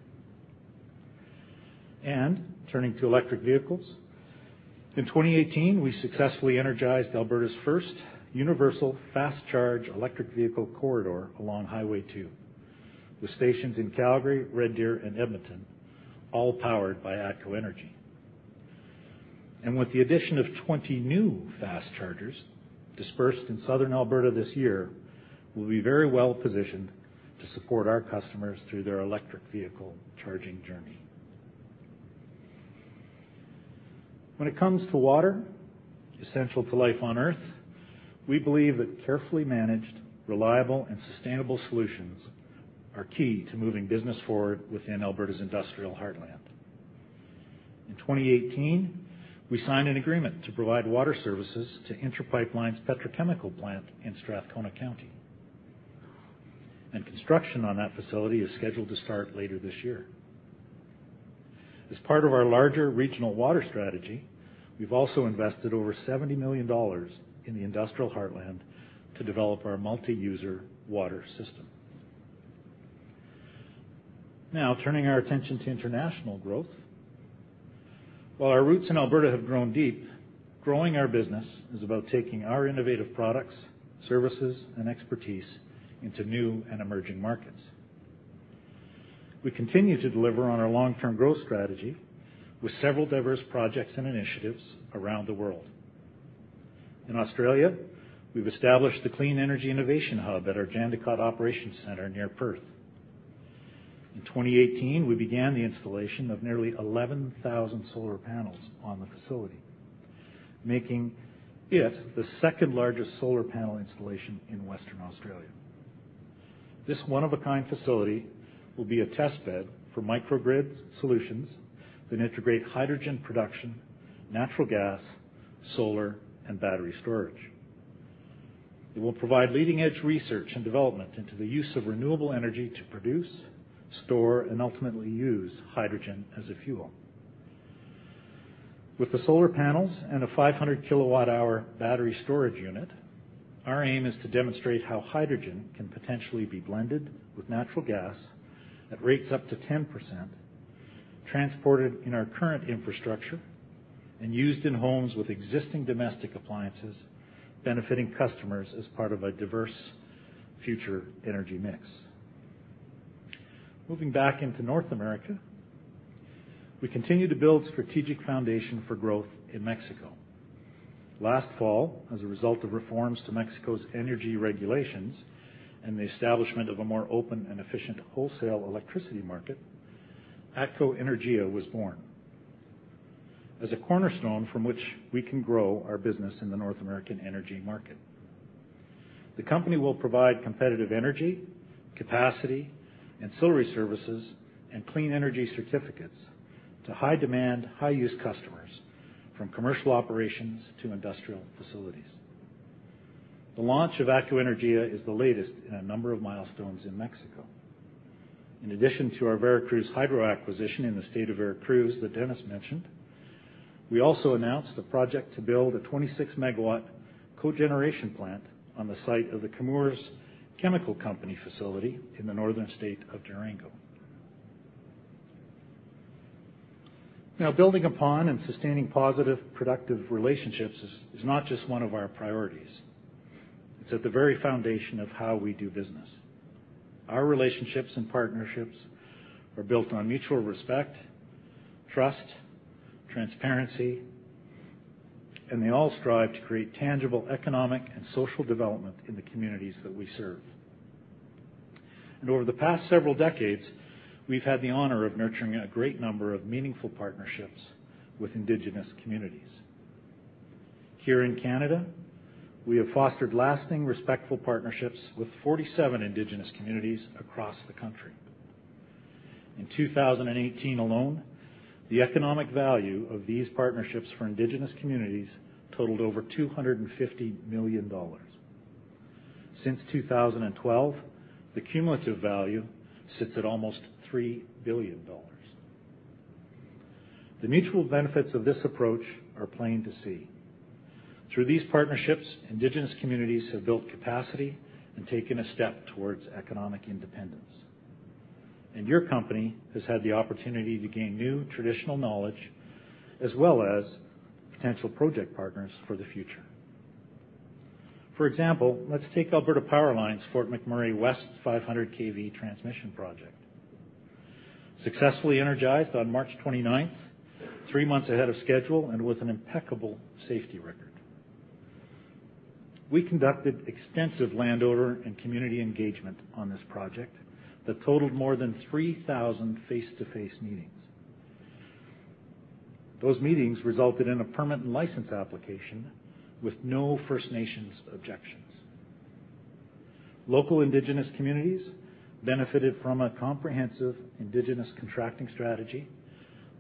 S10: Turning to electric vehicles, in 2018, we successfully energized Alberta's first universal fast-charge electric vehicle corridor along Highway 2, with stations in Calgary, Red Deer, and Edmonton, all powered by ATCO Energy. With the addition of 20 new fast chargers dispersed in Southern Alberta this year, we'll be very well-positioned to support our customers through their electric vehicle charging journey. When it comes to water, essential to life on Earth, we believe that carefully managed, reliable, and sustainable solutions are key to moving business forward within Alberta's Industrial Heartland. In 2018, we signed an agreement to provide water services to Inter Pipeline's petrochemical plant in Strathcona County, construction on that facility is scheduled to start later this year. As part of our larger regional water strategy, we've also invested over 70 million dollars in the Industrial Heartland to develop our multi-user water system. Turning our attention to international growth. While our roots in Alberta have grown deep, growing our business is about taking our innovative products, services, and expertise into new and emerging markets. We continue to deliver on our long-term growth strategy with several diverse projects and initiatives around the world. In Australia, we've established the Clean Energy Innovation Hub at our Jandakot Operations Centre near Perth. In 2018, we began the installation of nearly 11,000 solar panels on the facility, making it the second-largest solar panel installation in Western Australia. This one-of-a-kind facility will be a test bed for microgrid solutions that integrate hydrogen production, natural gas, solar, and battery storage. It will provide leading-edge research and development into the use of renewable energy to produce, store, and ultimately use hydrogen as a fuel. With the solar panels and a 500 kWh battery storage unit, our aim is to demonstrate how hydrogen can potentially be blended with natural gas at rates up to 10%, transported in our current infrastructure, and used in homes with existing domestic appliances, benefiting customers as part of a diverse future energy mix. Moving back into North America, we continue to build strategic foundation for growth in Mexico. Last fall, as a result of reforms to Mexico's energy regulations and the establishment of a more open and efficient wholesale electricity market, ATCO Energía was born as a cornerstone from which we can grow our business in the North American energy market. The company will provide competitive energy, capacity, ancillary services, and clean energy certificates to high-demand, high-use customers from commercial operations to industrial facilities. The launch of ATCO Energía is the latest in a number of milestones in Mexico. In addition to our Veracruz hydro facility acquisition in the state of Veracruz that Dennis mentioned, we also announced a project to build a 26 MW cogeneration plant on the site of the Chemours chemical company facility in the northern state of Durango. Building upon and sustaining positive, productive relationships is not just one of our priorities. It's at the very foundation of how we do business. Our relationships and partnerships are built on mutual respect, trust, transparency, and they all strive to create tangible economic and social development in the communities that we serve. Over the past several decades, we've had the honor of nurturing a great number of meaningful partnerships with indigenous communities. Here in Canada, we have fostered lasting, respectful partnerships with 47 indigenous communities across the country. In 2018 alone, the economic value of these partnerships for indigenous communities totaled over 250 million dollars. Since 2012, the cumulative value sits at almost 3 billion dollars. The mutual benefits of this approach are plain to see. Through these partnerships, indigenous communities have built capacity and taken a step towards economic independence. Your company has had the opportunity to gain new traditional knowledge as well as potential project partners for the future. For example, let's take Alberta PowerLine's Fort McMurray West 500-kV Transmission Project. Successfully energized on March 29, 3 months ahead of schedule and with an impeccable safety record. We conducted extensive land owner and community engagement on this project that totaled more than 3,000 face-to-face meetings. Those meetings resulted in a permanent license application with no First Nations objections. Local indigenous communities benefited from a comprehensive indigenous contracting strategy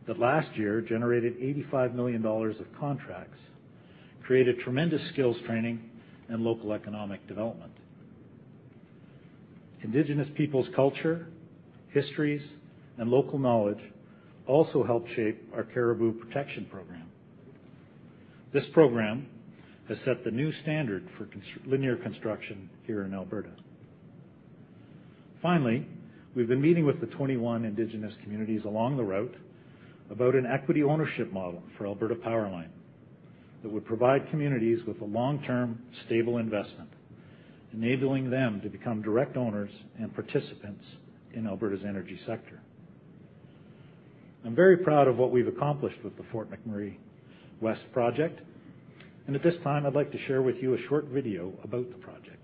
S10: that last year generated 85 million dollars of contracts, created tremendous skills training, and local economic development. Indigenous people's culture, histories, and local knowledge also helped shape our Caribou Protection Plan. This program has set the new standard for linear construction here in Alberta. We've been meeting with the 21 indigenous communities along the route about an equity ownership model for Alberta PowerLine that would provide communities with a long-term, stable investment, enabling them to become direct owners and participants in Alberta's energy sector. I'm very proud of what we've accomplished with the Fort McMurray West 500-kV Transmission Project. At this time, I'd like to share with you a short video about the project.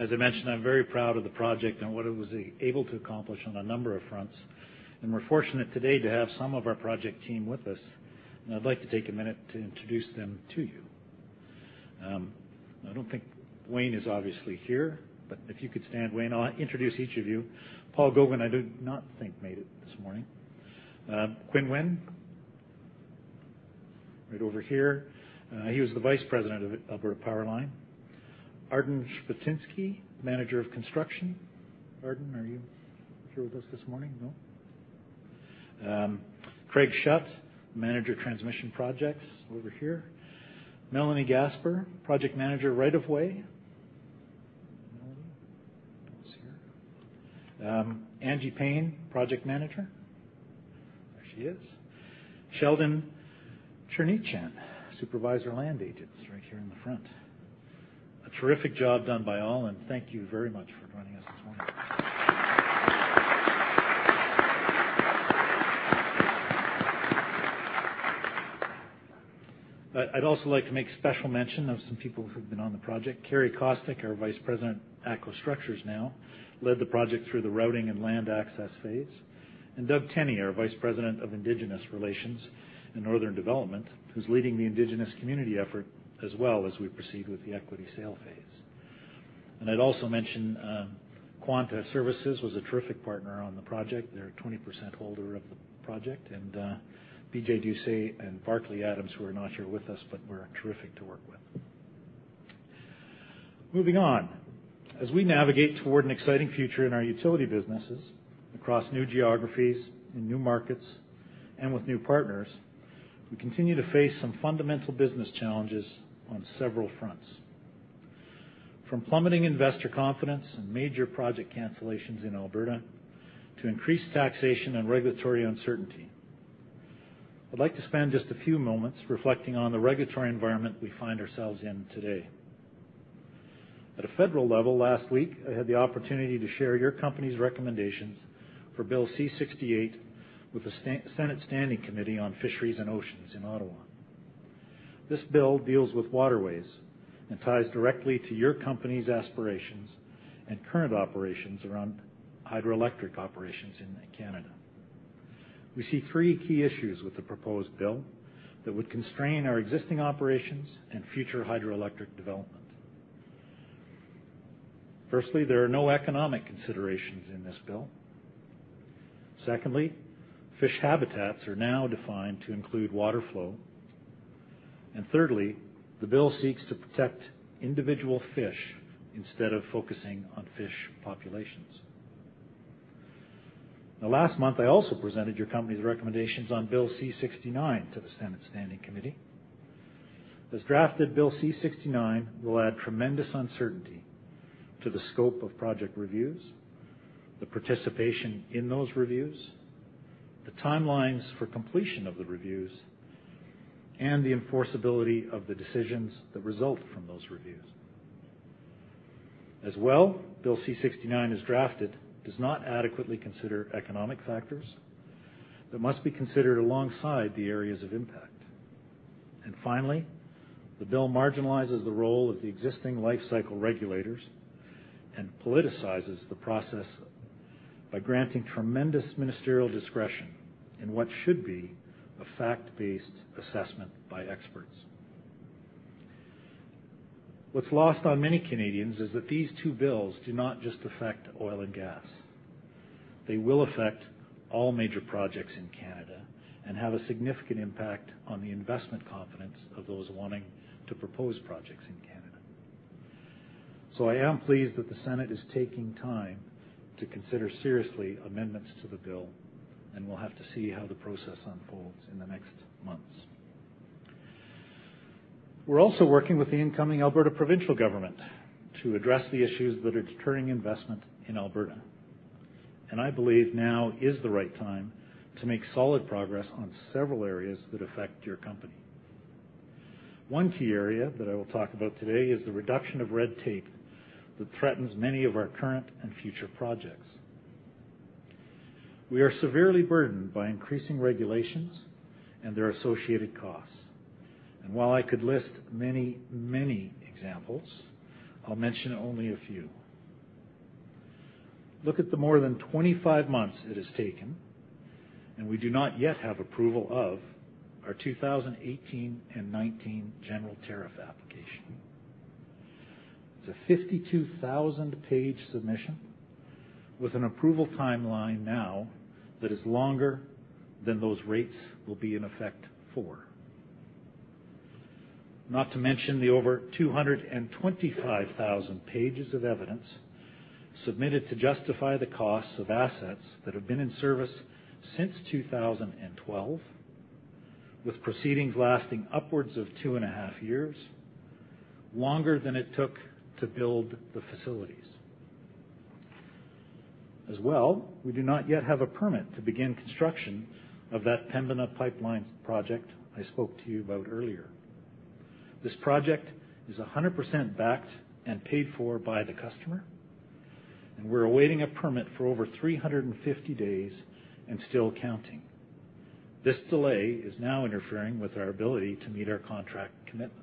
S10: As I mentioned, I'm very proud of the project and what it was able to accomplish on a number of fronts. We're fortunate today to have some of our project team with us, and I'd like to take a minute to introduce them to you. Wayne is obviously here, but if you could stand, Wayne. I'll introduce each of you. Paul Gauguin, I do not think made it this morning. Quyen Nguyen, right over here. He was the Vice President of Alberta PowerLine. Arden Spachynski, Manager of Construction. Arden, are you here with us this morning? No. Craig Shutt, Manager, Transmission Projects, over here. Melanie Gaspar, Project Manager, Right of Way. Melanie is here. Angie Payne, Project Manager. There she is. Sheldon Cherniwchan, Supervisor, Land Agents, right here in the front. A terrific job done by all, and thank you very much for joining us this morning. I'd also like to make special mention of some people who've been on the project. Carey Kostyk, our Vice President [ATCO Structures] now, led the project through the routing and land access phase. Doug Tenney, our Vice President, Indigenous Relations and Northern Development, who's leading the Indigenous community effort as well as we proceed with the equity sale phase. I'd also mention Quanta Services was a terrific partner on the project. They're a 20% holder of the project. Vijay Deol and Barclay Adams, who are not here with us but were terrific to work with. Moving on. As we navigate toward an exciting future in our utility businesses across new geographies and new markets and with new partners, we continue to face some fundamental business challenges on several fronts, from plummeting investor confidence and major project cancellations in Alberta to increased taxation and regulatory uncertainty. I'd like to spend just a few moments reflecting on the regulatory environment we find ourselves in today. At a federal level last week, I had the opportunity to share your company's recommendations for Bill C-68 with the Senate Standing Committee on Fisheries and Oceans in Ottawa. This bill deals with waterways and ties directly to your company's aspirations and current operations around hydroelectric operations in Canada. We see three key issues with the proposed bill that would constrain our existing operations and future hydroelectric development. Firstly, there are no economic considerations in this bill. Secondly, fish habitats are now defined to include water flow. Thirdly, the bill seeks to protect individual fish instead of focusing on fish populations. Last month, I also presented your company's recommendations on Bill C-69 to the Senate Standing Committee. As drafted, Bill C-69 will add tremendous uncertainty to the scope of project reviews, the participation in those reviews, the timelines for completion of the reviews, and the enforceability of the decisions that result from those reviews. As well, Bill C-69, as drafted, does not adequately consider economic factors that must be considered alongside the areas of impact. Finally, the bill marginalizes the role of the existing lifecycle regulators and politicizes the process by granting tremendous ministerial discretion in what should be a fact-based assessment by experts. What's lost on many Canadians is that these two bills do not just affect oil and gas. They will affect all major projects in Canada and have a significant impact on the investment confidence of those wanting to propose projects in Canada. I am pleased that the Senate is taking time to consider seriously amendments to the bill, and we'll have to see how the process unfolds in the next months. We're also working with the incoming Alberta provincial government to address the issues that are deterring investment in Alberta. I believe now is the right time to make solid progress on several areas that affect your company. One key area that I will talk about today is the reduction of red tape that threatens many of our current and future projects. We are severely burdened by increasing regulations and their associated costs. While I could list many examples, I'll mention only a few. Look at the more than 25 months it has taken, and we do not yet have approval of our 2018 and 2019 general tariff application. It's a 52,000-page submission with an approval timeline now that is longer than those rates will be in effect for. Not to mention the over 225,000 pages of evidence submitted to justify the costs of assets that have been in service since 2012, with proceedings lasting upwards of two and a half years, longer than it took to build the facilities. As well, we do not yet have a permit to begin construction of that Pembina Pipeline project I spoke to you about earlier. This project is 100% backed and paid for by the customer, and we're awaiting a permit for over 350 days and still counting. This delay is now interfering with our ability to meet our contract commitments.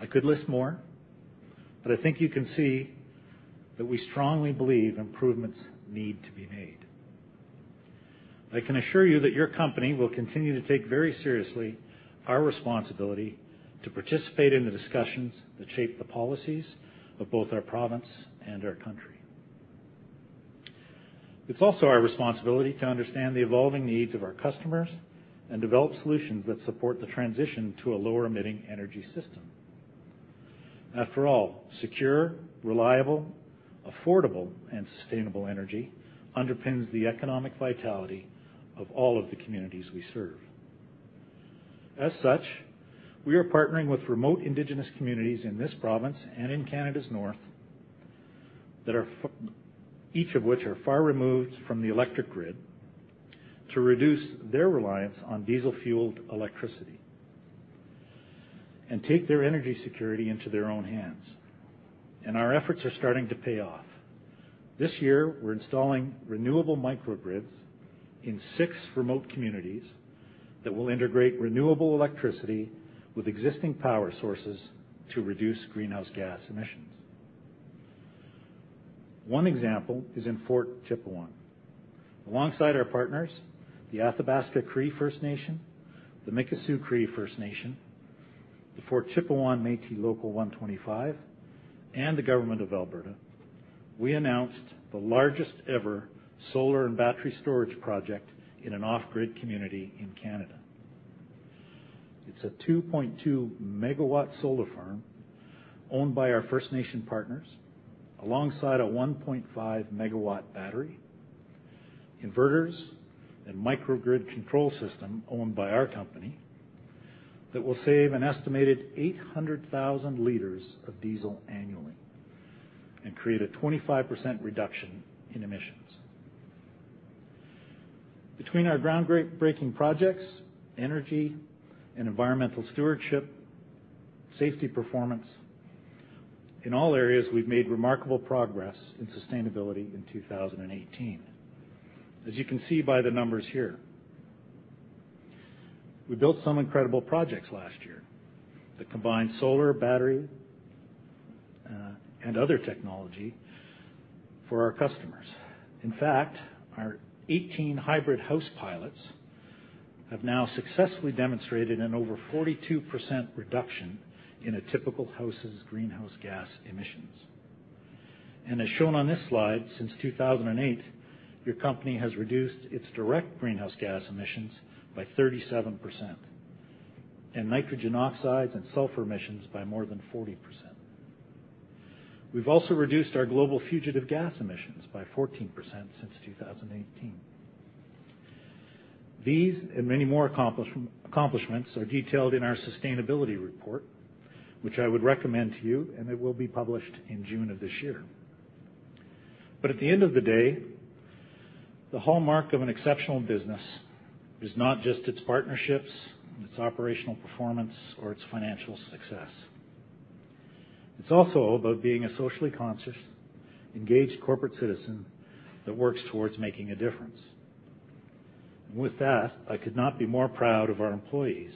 S10: I could list more, I think you can see that we strongly believe improvements need to be made. I can assure you that your company will continue to take very seriously our responsibility to participate in the discussions that shape the policies of both our province and our country. It's also our responsibility to understand the evolving needs of our customers and develop solutions that support the transition to a lower-emitting energy system. After all, secure, reliable, affordable, and sustainable energy underpins the economic vitality of all of the communities we serve. As such, we are partnering with remote Indigenous communities in this province and in Canada's North, each of which are far removed from the electric grid to reduce their reliance on diesel-fueled electricity and take their energy security into their own hands. Our efforts are starting to pay off. This year, we're installing renewable microgrids in six remote communities that will integrate renewable electricity with existing power sources to reduce greenhouse gas emissions. One example is in Fort Chipewyan. Alongside our partners, the Athabasca Chipewyan First Nation, the Mikisew Cree First Nation, the Fort Chipewyan Métis Local 125, and the government of Alberta, we announced the largest ever solar and battery storage project in an off-grid community in Canada. It's a 2.2-megawatt solar farm owned by our First Nation partners, alongside a 1.5-megawatt battery, inverters, and microgrid control system owned by our company that will save an estimated 800,000 liters of diesel annually and create a 25% reduction in emissions. Between our groundbreaking projects, energy and environmental stewardship, safety performance, in all areas, we've made remarkable progress in sustainability in 2018, as you can see by the numbers here. We built some incredible projects last year that combined solar battery, and other technology for our customers. In fact, our 18 hybrid house pilots have now successfully demonstrated an over 42% reduction in a typical house's greenhouse gas emissions. As shown on this slide, since 2008, your company has reduced its direct greenhouse gas emissions by 37% and nitrogen oxides and sulfur emissions by more than 40%. We've also reduced our global fugitive gas emissions by 14% since 2018. These and many more accomplishments are detailed in our sustainability report, which I would recommend to you, it will be published in June of this year. At the end of the day, the hallmark of an exceptional business is not just its partnerships, its operational performance, or its financial success. It's also about being a socially conscious, engaged corporate citizen that works towards making a difference. With that, I could not be more proud of our employees,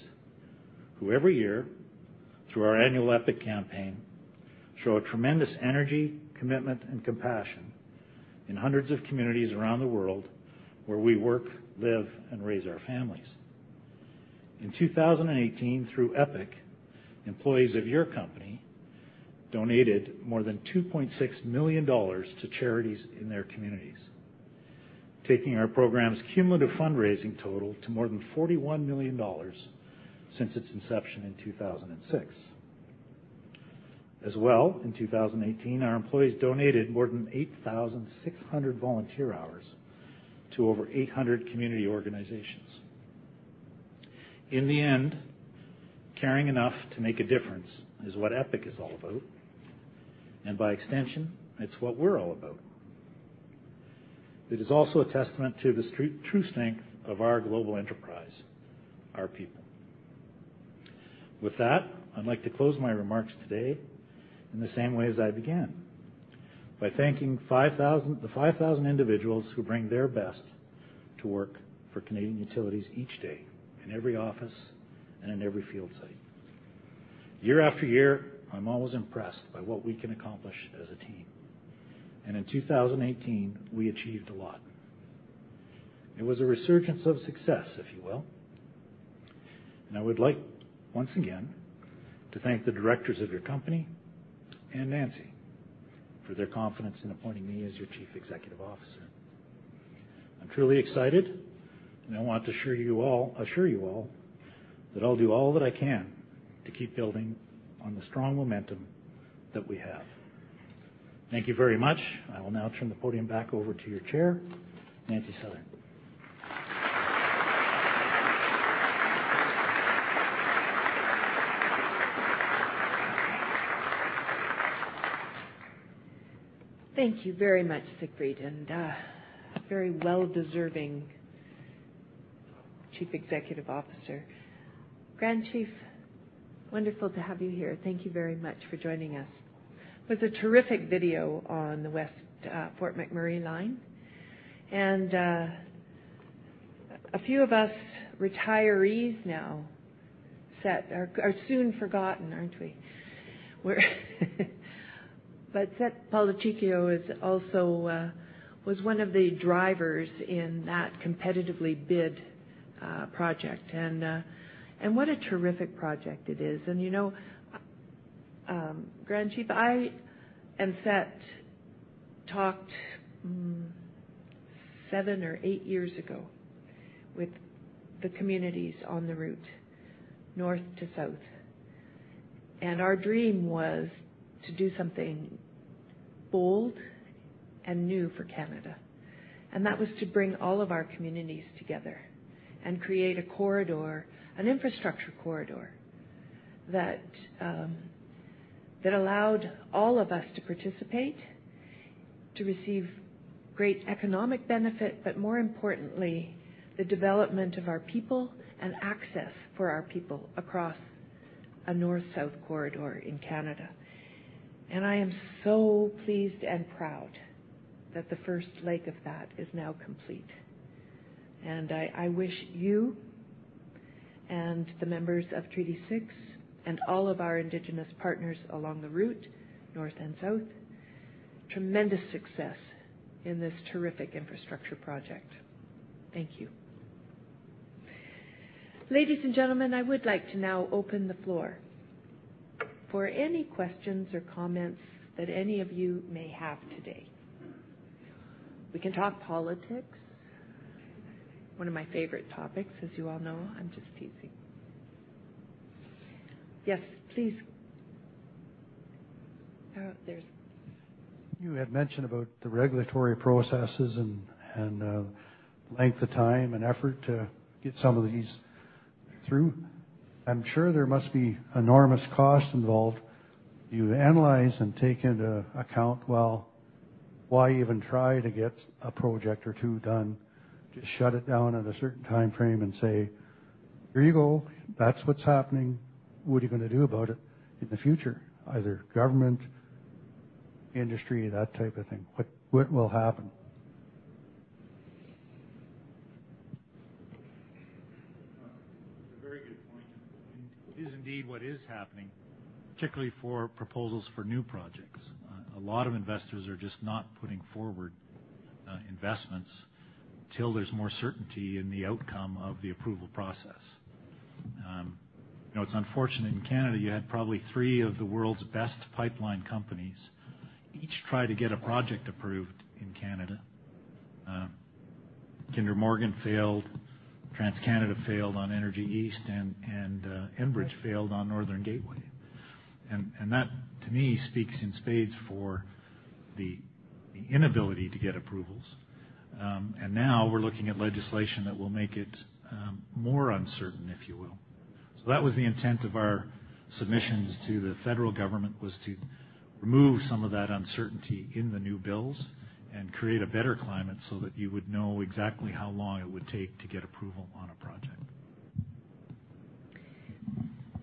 S10: who every year, through our annual EPIC campaign, show a tremendous energy, commitment, and compassion in hundreds of communities around the world where we work, live, and raise our families. In 2018, through EPIC, employees of your company donated more than 2.6 million dollars to charities in their communities, taking our program's cumulative fundraising total to more than 41 million dollars since its inception in 2006. As well, in 2018, our employees donated more than 8,600 volunteer hours to over 800 community organizations. In the end, caring enough to make a difference is what EPIC is all about, and by extension, it's what we're all about. It is also a testament to the true strength of our global enterprise, our people. With that, I'd like to close my remarks today in the same way as I began, by thanking the 5,000 individuals who bring their best to work for Canadian Utilities each day in every office and in every field site. Year after year, I'm always impressed by what we can accomplish as a team. In 2018, we achieved a lot. It was a resurgence of success, if you will. I would like, once again, to thank the directors of your company and Nancy for their confidence in appointing me as your Chief Executive Officer. I'm truly excited, I want to assure you all that I'll do all that I can to keep building on the strong momentum that we have. Thank you very much. I will now turn the podium back over to your Chair, Nancy Southern.
S1: Thank you very much, Siegfried, a very well-deserving Chief Executive Officer. Grand Chief, wonderful to have you here. Thank you very much for joining us. It was a terrific video on the Fort McMurray line. A few of us retirees now are soon forgotten, aren't we? Sett Policicchio was one of the drivers in that competitively bid project. What a terrific project it is. Grand Chief, I and Sett talked seven or eight years ago with the communities on the route, north to south. Our dream was to do something bold and new for Canada, and that was to bring all of our communities together and create an infrastructure corridor that allowed all of us to participate, to receive great economic benefit, but more importantly, the development of our people and access for our people across a north-south corridor in Canada. I am so pleased and proud that the first leg of that is now complete, and I wish you and the members of Treaty 6 and all of our indigenous partners along the route, north and south, tremendous success in this terrific infrastructure project. Thank you. Ladies and gentlemen, I would like to now open the floor for any questions or comments that any of you may have today. We can talk politics, one of my favorite topics, as you all know. I'm just teasing. Yes, please. Oh, there's-
S11: You had mentioned about the regulatory processes and length of time and effort to get some of these through. I'm sure there must be enormous costs involved. Do you analyze and take into account, well, why even try to get a project or two done? Just shut it down at a certain time frame and say, "Here you go. That's what's happening. What are you going to do about it in the future?" Either government, industry, that type of thing. What will happen?
S10: It's a very good point, it is indeed what is happening, particularly for proposals for new projects. A lot of investors are just not putting forward investments till there's more certainty in the outcome of the approval process. It's unfortunate. In Canada, you had probably three of the world's best pipeline companies, each try to get a project approved in Canada. Kinder Morgan failed, TransCanada failed on Energy East, Enbridge failed on Northern Gateway. That, to me, speaks in spades for the inability to get approvals. Now we're looking at legislation that will make it more uncertain, if you will. That was the intent of our submissions to the federal government, was to remove some of that uncertainty in the new bills and create a better climate so that you would know exactly how long it would take to get approval on a project.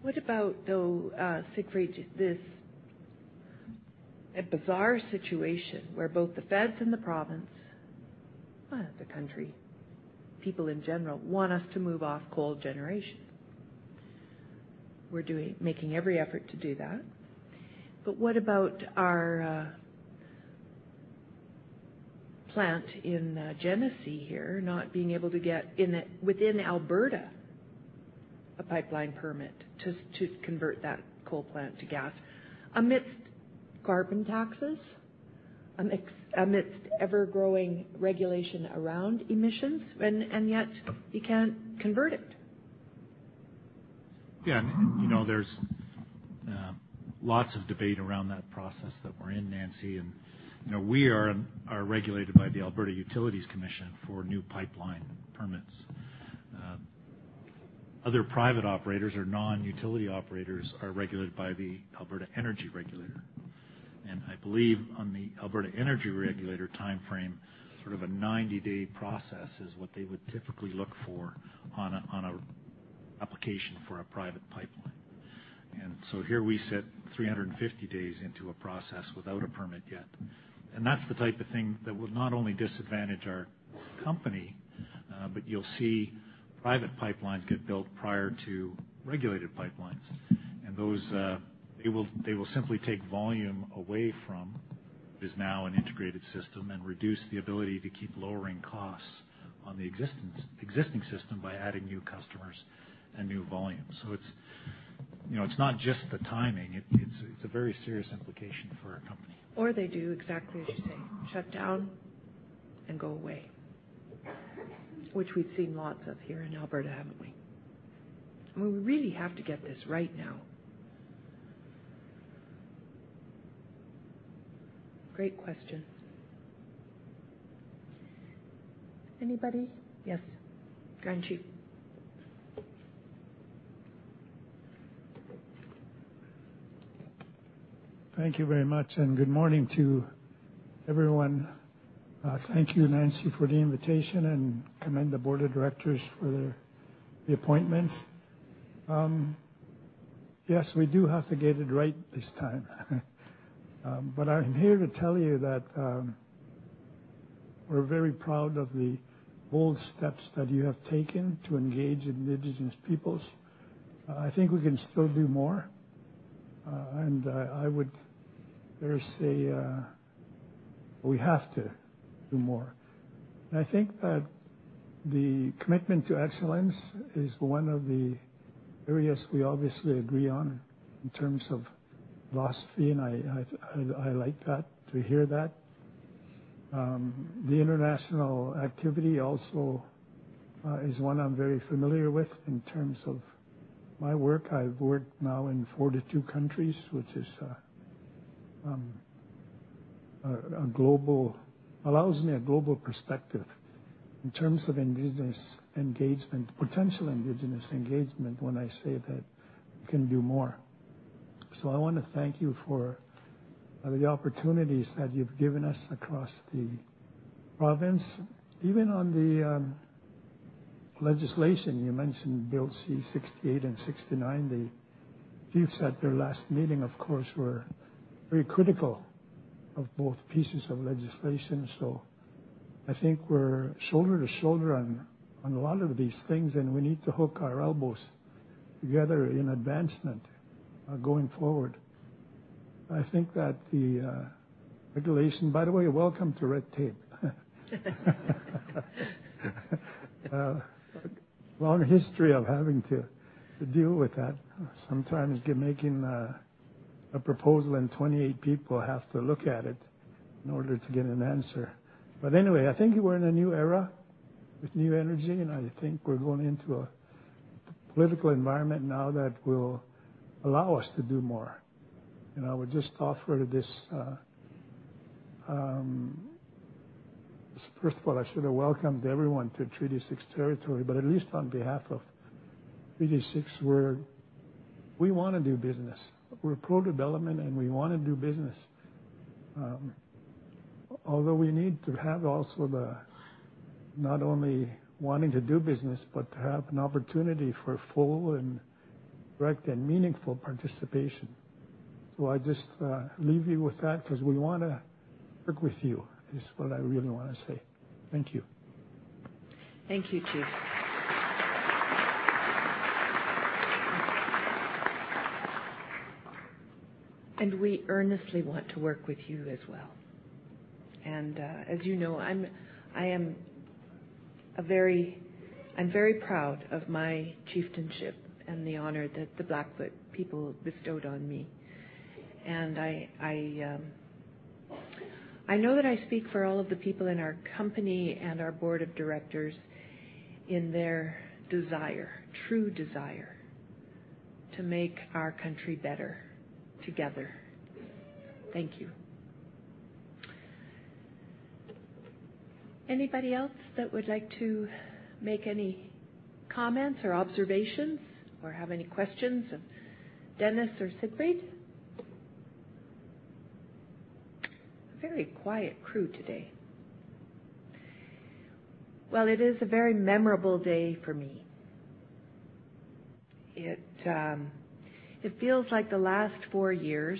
S1: What about, though, Siegfried, this bizarre situation where both the feds and the province, the country, people in general, want us to move off coal generation. We're making every effort to do that. What about our plant in Genesee here not being able to get within Alberta a pipeline permit to convert that coal plant to gas amidst carbon taxes, amidst ever-growing regulation around emissions, and yet you can't convert it.
S10: Yeah. There's lots of debate around that process that we're in, Nancy. We are regulated by the Alberta Utilities Commission for new pipeline permits. Other private operators or non-utility operators are regulated by the Alberta Energy Regulator. I believe on the Alberta Energy Regulator timeframe, sort of a 90-day process is what they would typically look for on an application for a private pipeline. Here we sit 350 days into a process without a permit yet. That's the type of thing that would not only disadvantage our company, but you'll see private pipelines get built prior to regulated pipelines. They will simply take volume away from what is now an integrated system and reduce the ability to keep lowering costs on the existing system by adding new customers and new volume. It's not just the timing, it's a very serious implication for our company.
S1: They do exactly as you say, shut down and go away, which we've seen lots of here in Alberta, haven't we? We really have to get this right now. Great question. Anybody? Yes, Grand Chief.
S12: Thank you very much, good morning to everyone. Thank you, Nancy, for the invitation and commend the board of directors for the appointment. Yes, we do have to get it right this time. I'm here to tell you that we're very proud of the bold steps that you have taken to engage indigenous peoples. I think we can still do more. I would dare say we have to do more. I think that the commitment to excellence is one of the areas we obviously agree on in terms of philosophy. I like to hear that. The international activity also is one I'm very familiar with in terms of my work. I've worked now in 42 countries, which allows me a global perspective in terms of indigenous engagement, potential indigenous engagement, when I say that we can do more. I want to thank you for the opportunities that you've given us across the province, even on the legislation. You mentioned Bill C-68 and 69. The chiefs at their last meeting, of course, were very critical of both pieces of legislation. I think we're shoulder to shoulder on a lot of these things, and we need to hook our elbows together in advancement going forward. I think that the regulation. By the way, welcome to red tape. Long history of having to deal with that. Sometimes you're making a proposal, and 28 people have to look at it in order to get an answer. Anyway, I think we're in a new era with new energy, and I think we're going into a political environment now that will allow us to do more. I would just offer this. First of all, I should have welcomed everyone to Treaty 6 territory, at least on behalf of Treaty 6, we want to do business. We're pro-development, and we want to do business. Although we need to have also the not only wanting to do business, but to have an opportunity for full and direct, and meaningful participation. I just leave you with that because we want to work with you, is what I really want to say. Thank you.
S1: Thank you, Chief. We earnestly want to work with you as well. As you know, I'm very proud of my chieftainship and the honor that the Blackfoot people bestowed on me. I know that I speak for all of the people in our company and our board of directors in their desire, true desire, to make our country better together. Thank you. Anybody else that would like to make any comments or observations, or have any questions of Dennis or Siegfried? A very quiet crew today. It is a very memorable day for me. It feels like the last four years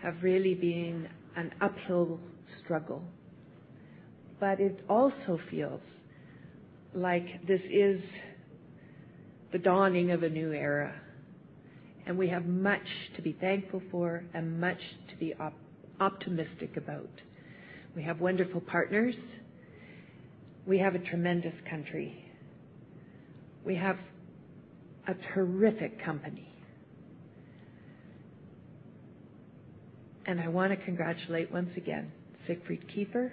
S1: have really been an uphill struggle, but it also feels like this is the dawning of a new era, and we have much to be thankful for and much to be optimistic about. We have wonderful partners. We have a tremendous country. We have a terrific company. I want to congratulate once again, Siegfried Kiefer,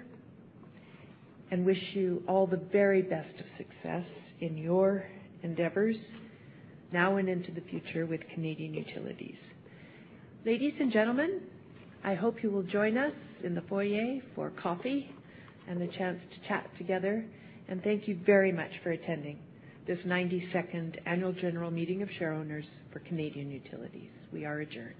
S1: and wish you all the very best of success in your endeavors now and into the future with Canadian Utilities. Ladies and gentlemen, I hope you will join us in the foyer for coffee and a chance to chat together, and thank you very much for attending this 92nd annual general meeting of shareholders for Canadian Utilities. We are adjourned.